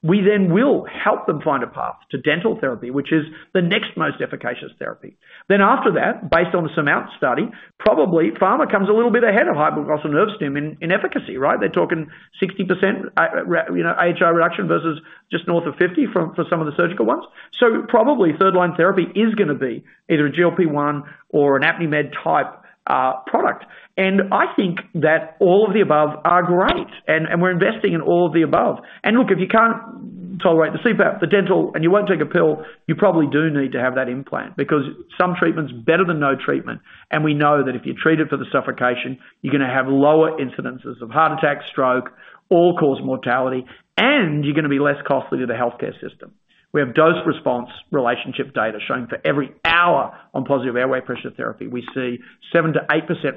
we then will help them find a path to dental therapy, which is the next most efficacious therapy. Then after that, based on the SURMOUNT study, probably pharma comes a little bit ahead of hypoglossal nerve stim in efficacy, right? They're talking 60%, you know, AHI reduction versus just north of 50 from for some of the surgical ones. So probably third line therapy is gonna be either a GLP-1 or an Apnimed type product. I think that all of the above are great, and we're investing in all of the above. Look, if you can't tolerate the CPAP, the dental, and you won't take a pill, you probably do need to have that implant, because some treatment's better than no treatment, and we know that if you treat it for the suffocation, you're gonna have lower incidences of heart attack, stroke, all-cause mortality, and you're gonna be less costly to the healthcare system. We have dose-response relationship data showing for every hour on positive airway pressure therapy, we see 7%-8%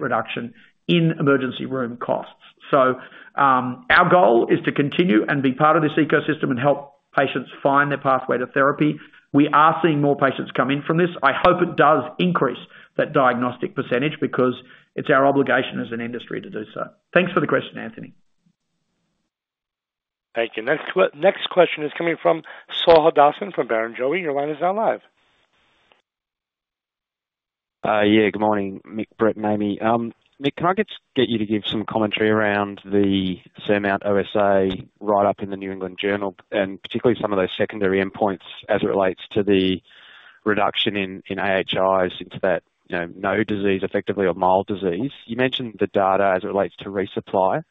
reduction in emergency room costs. So, our goal is to continue and be part of this ecosystem and help patients find their pathway to therapy. We are seeing more patients come in from this. I hope it does increase that diagnostic percentage, because it's our obligation as an industry to do so. Thanks for the question, Anthony. Thank you. Next question is coming from Saul Hadassin from Barrenjoey. Your line is now live. Yeah, good morning, Mick, Brett, Amy. Mick, can I get you to give some commentary around the SURMOUNT-OSA writeup in the New England Journal, and particularly some of those secondary endpoints as it relates to the reduction in AHIs into that, you know, no disease, effectively, or mild disease? You mentioned the data as it relates to resupply.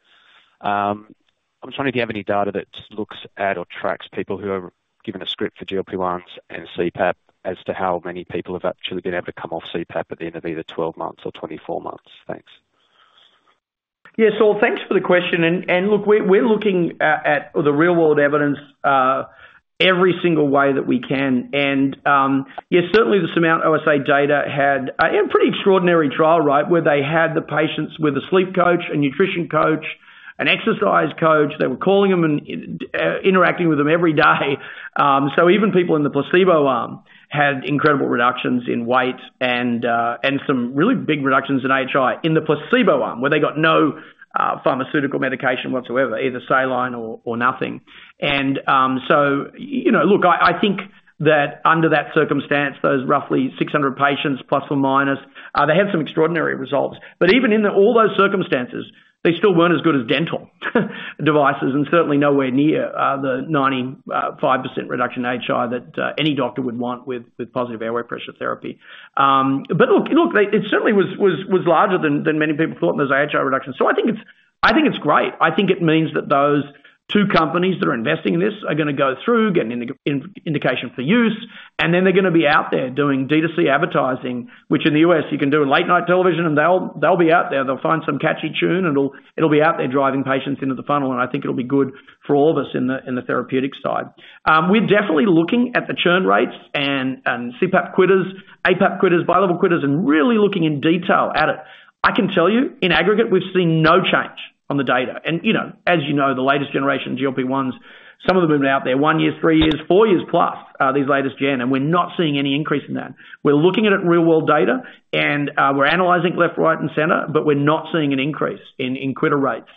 I'm just wondering if you have any data that looks at or tracks people who are given a script for GLP-1s and CPAP as to how many people have actually been able to come off CPAP at the end of either 12 months or 24 months. Thanks. Yeah. So thanks for the question, and look, we're looking at the real world evidence every single way that we can. Yeah, certainly the Surmount OSA data had a pretty extraordinary trial, right? Where they had the patients with a sleep coach, a nutrition coach, an exercise coach. They were calling them and interacting with them every day. So even people in the placebo arm had incredible reductions in weight and some really big reductions in AHI in the placebo arm, where they got no pharmaceutical medication whatsoever, either saline or nothing. You know, look, I think that under that circumstance, those roughly 600 patients, plus or minus, they had some extraordinary results. But even in all those circumstances, they still weren't as good as dental devices, and certainly nowhere near the 95% reduction in AHI that any doctor would want with positive airway pressure therapy. But look, it certainly was larger than many people thought in those AHI reductions. So I think it's great. I think it means that those two companies that are investing in this are gonna go through, get an indication for use, and then they're gonna be out there doing D2C advertising, which in the US, you can do a late night television, and they'll be out there. They'll find some catchy tune, and it'll be out there driving patients into the funnel, and I think it'll be good for all of us in the therapeutics side. We're definitely looking at the churn rates and CPAP quitters, APAP quitters, bilevel quitters, and really looking in detail at it. I can tell you, in aggregate, we've seen no change on the data. You know, the latest generation, GLP-1s, some of them have been out there 1 year, 3 years, 4 years plus, these latest gen, and we're not seeing any increase in that. We're looking at it in real world data, and we're analyzing left, right, and center, but we're not seeing an increase in quitter rates.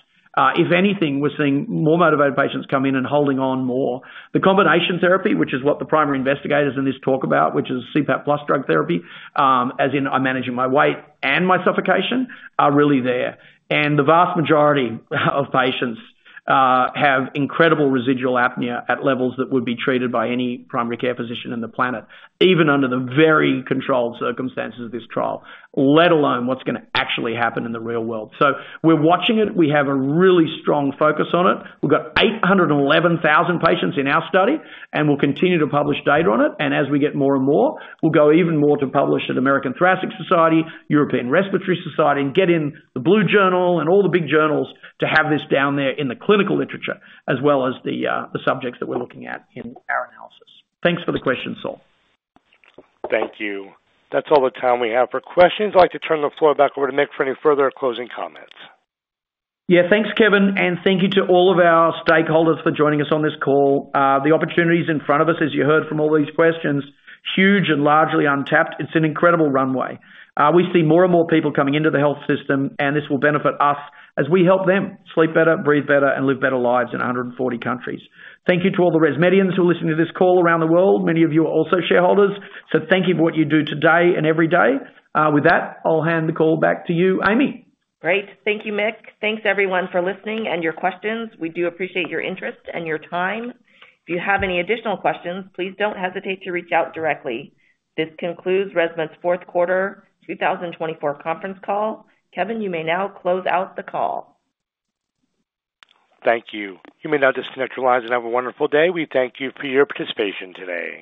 If anything, we're seeing more motivated patients come in and holding on more. The combination therapy, which is what the primary investigators in this talk about, which is CPAP plus drug therapy, as in I'm managing my weight and my obesity, are really there. The vast majority of patients have incredible residual apnea at levels that would be treated by any primary care physician on the planet, even under the very controlled circumstances of this trial, let alone what's gonna actually happen in the real world. So we're watching it. We have a really strong focus on it. We've got 811,000 patients in our study, and we'll continue to publish data on it. And as we get more and more, we'll go even more to publish at American Thoracic Society, European Respiratory Society, and get in the Blue Journal and all the big journals to have this down there in the clinical literature, as well as the, the subjects that we're looking at in our analysis. Thanks for the question, Saul. Thank you. That's all the time we have for questions. I'd like to turn the floor back over to Mick for any further closing comments. Yeah, thanks, Kevin, and thank you to all of our stakeholders for joining us on this call. The opportunities in front of us, as you heard from all these questions, huge and largely untapped. It's an incredible runway. We see more and more people coming into the health system, and this will benefit us as we help them sleep better, breathe better, and live better lives in 140 countries. Thank you to all the ResMedians who are listening to this call around the world. Many of you are also shareholders, so thank you for what you do today and every day. With that, I'll hand the call back to you, Amy. Great. Thank you, Mick. Thanks, everyone, for listening and your questions. We do appreciate your interest and your time. If you have any additional questions, please don't hesitate to reach out directly. This concludes ResMed's fourth quarter, 2024 conference call. Kevin, you may now close out the call. Thank you. You may now disconnect your lines and have a wonderful day. We thank you for your participation today.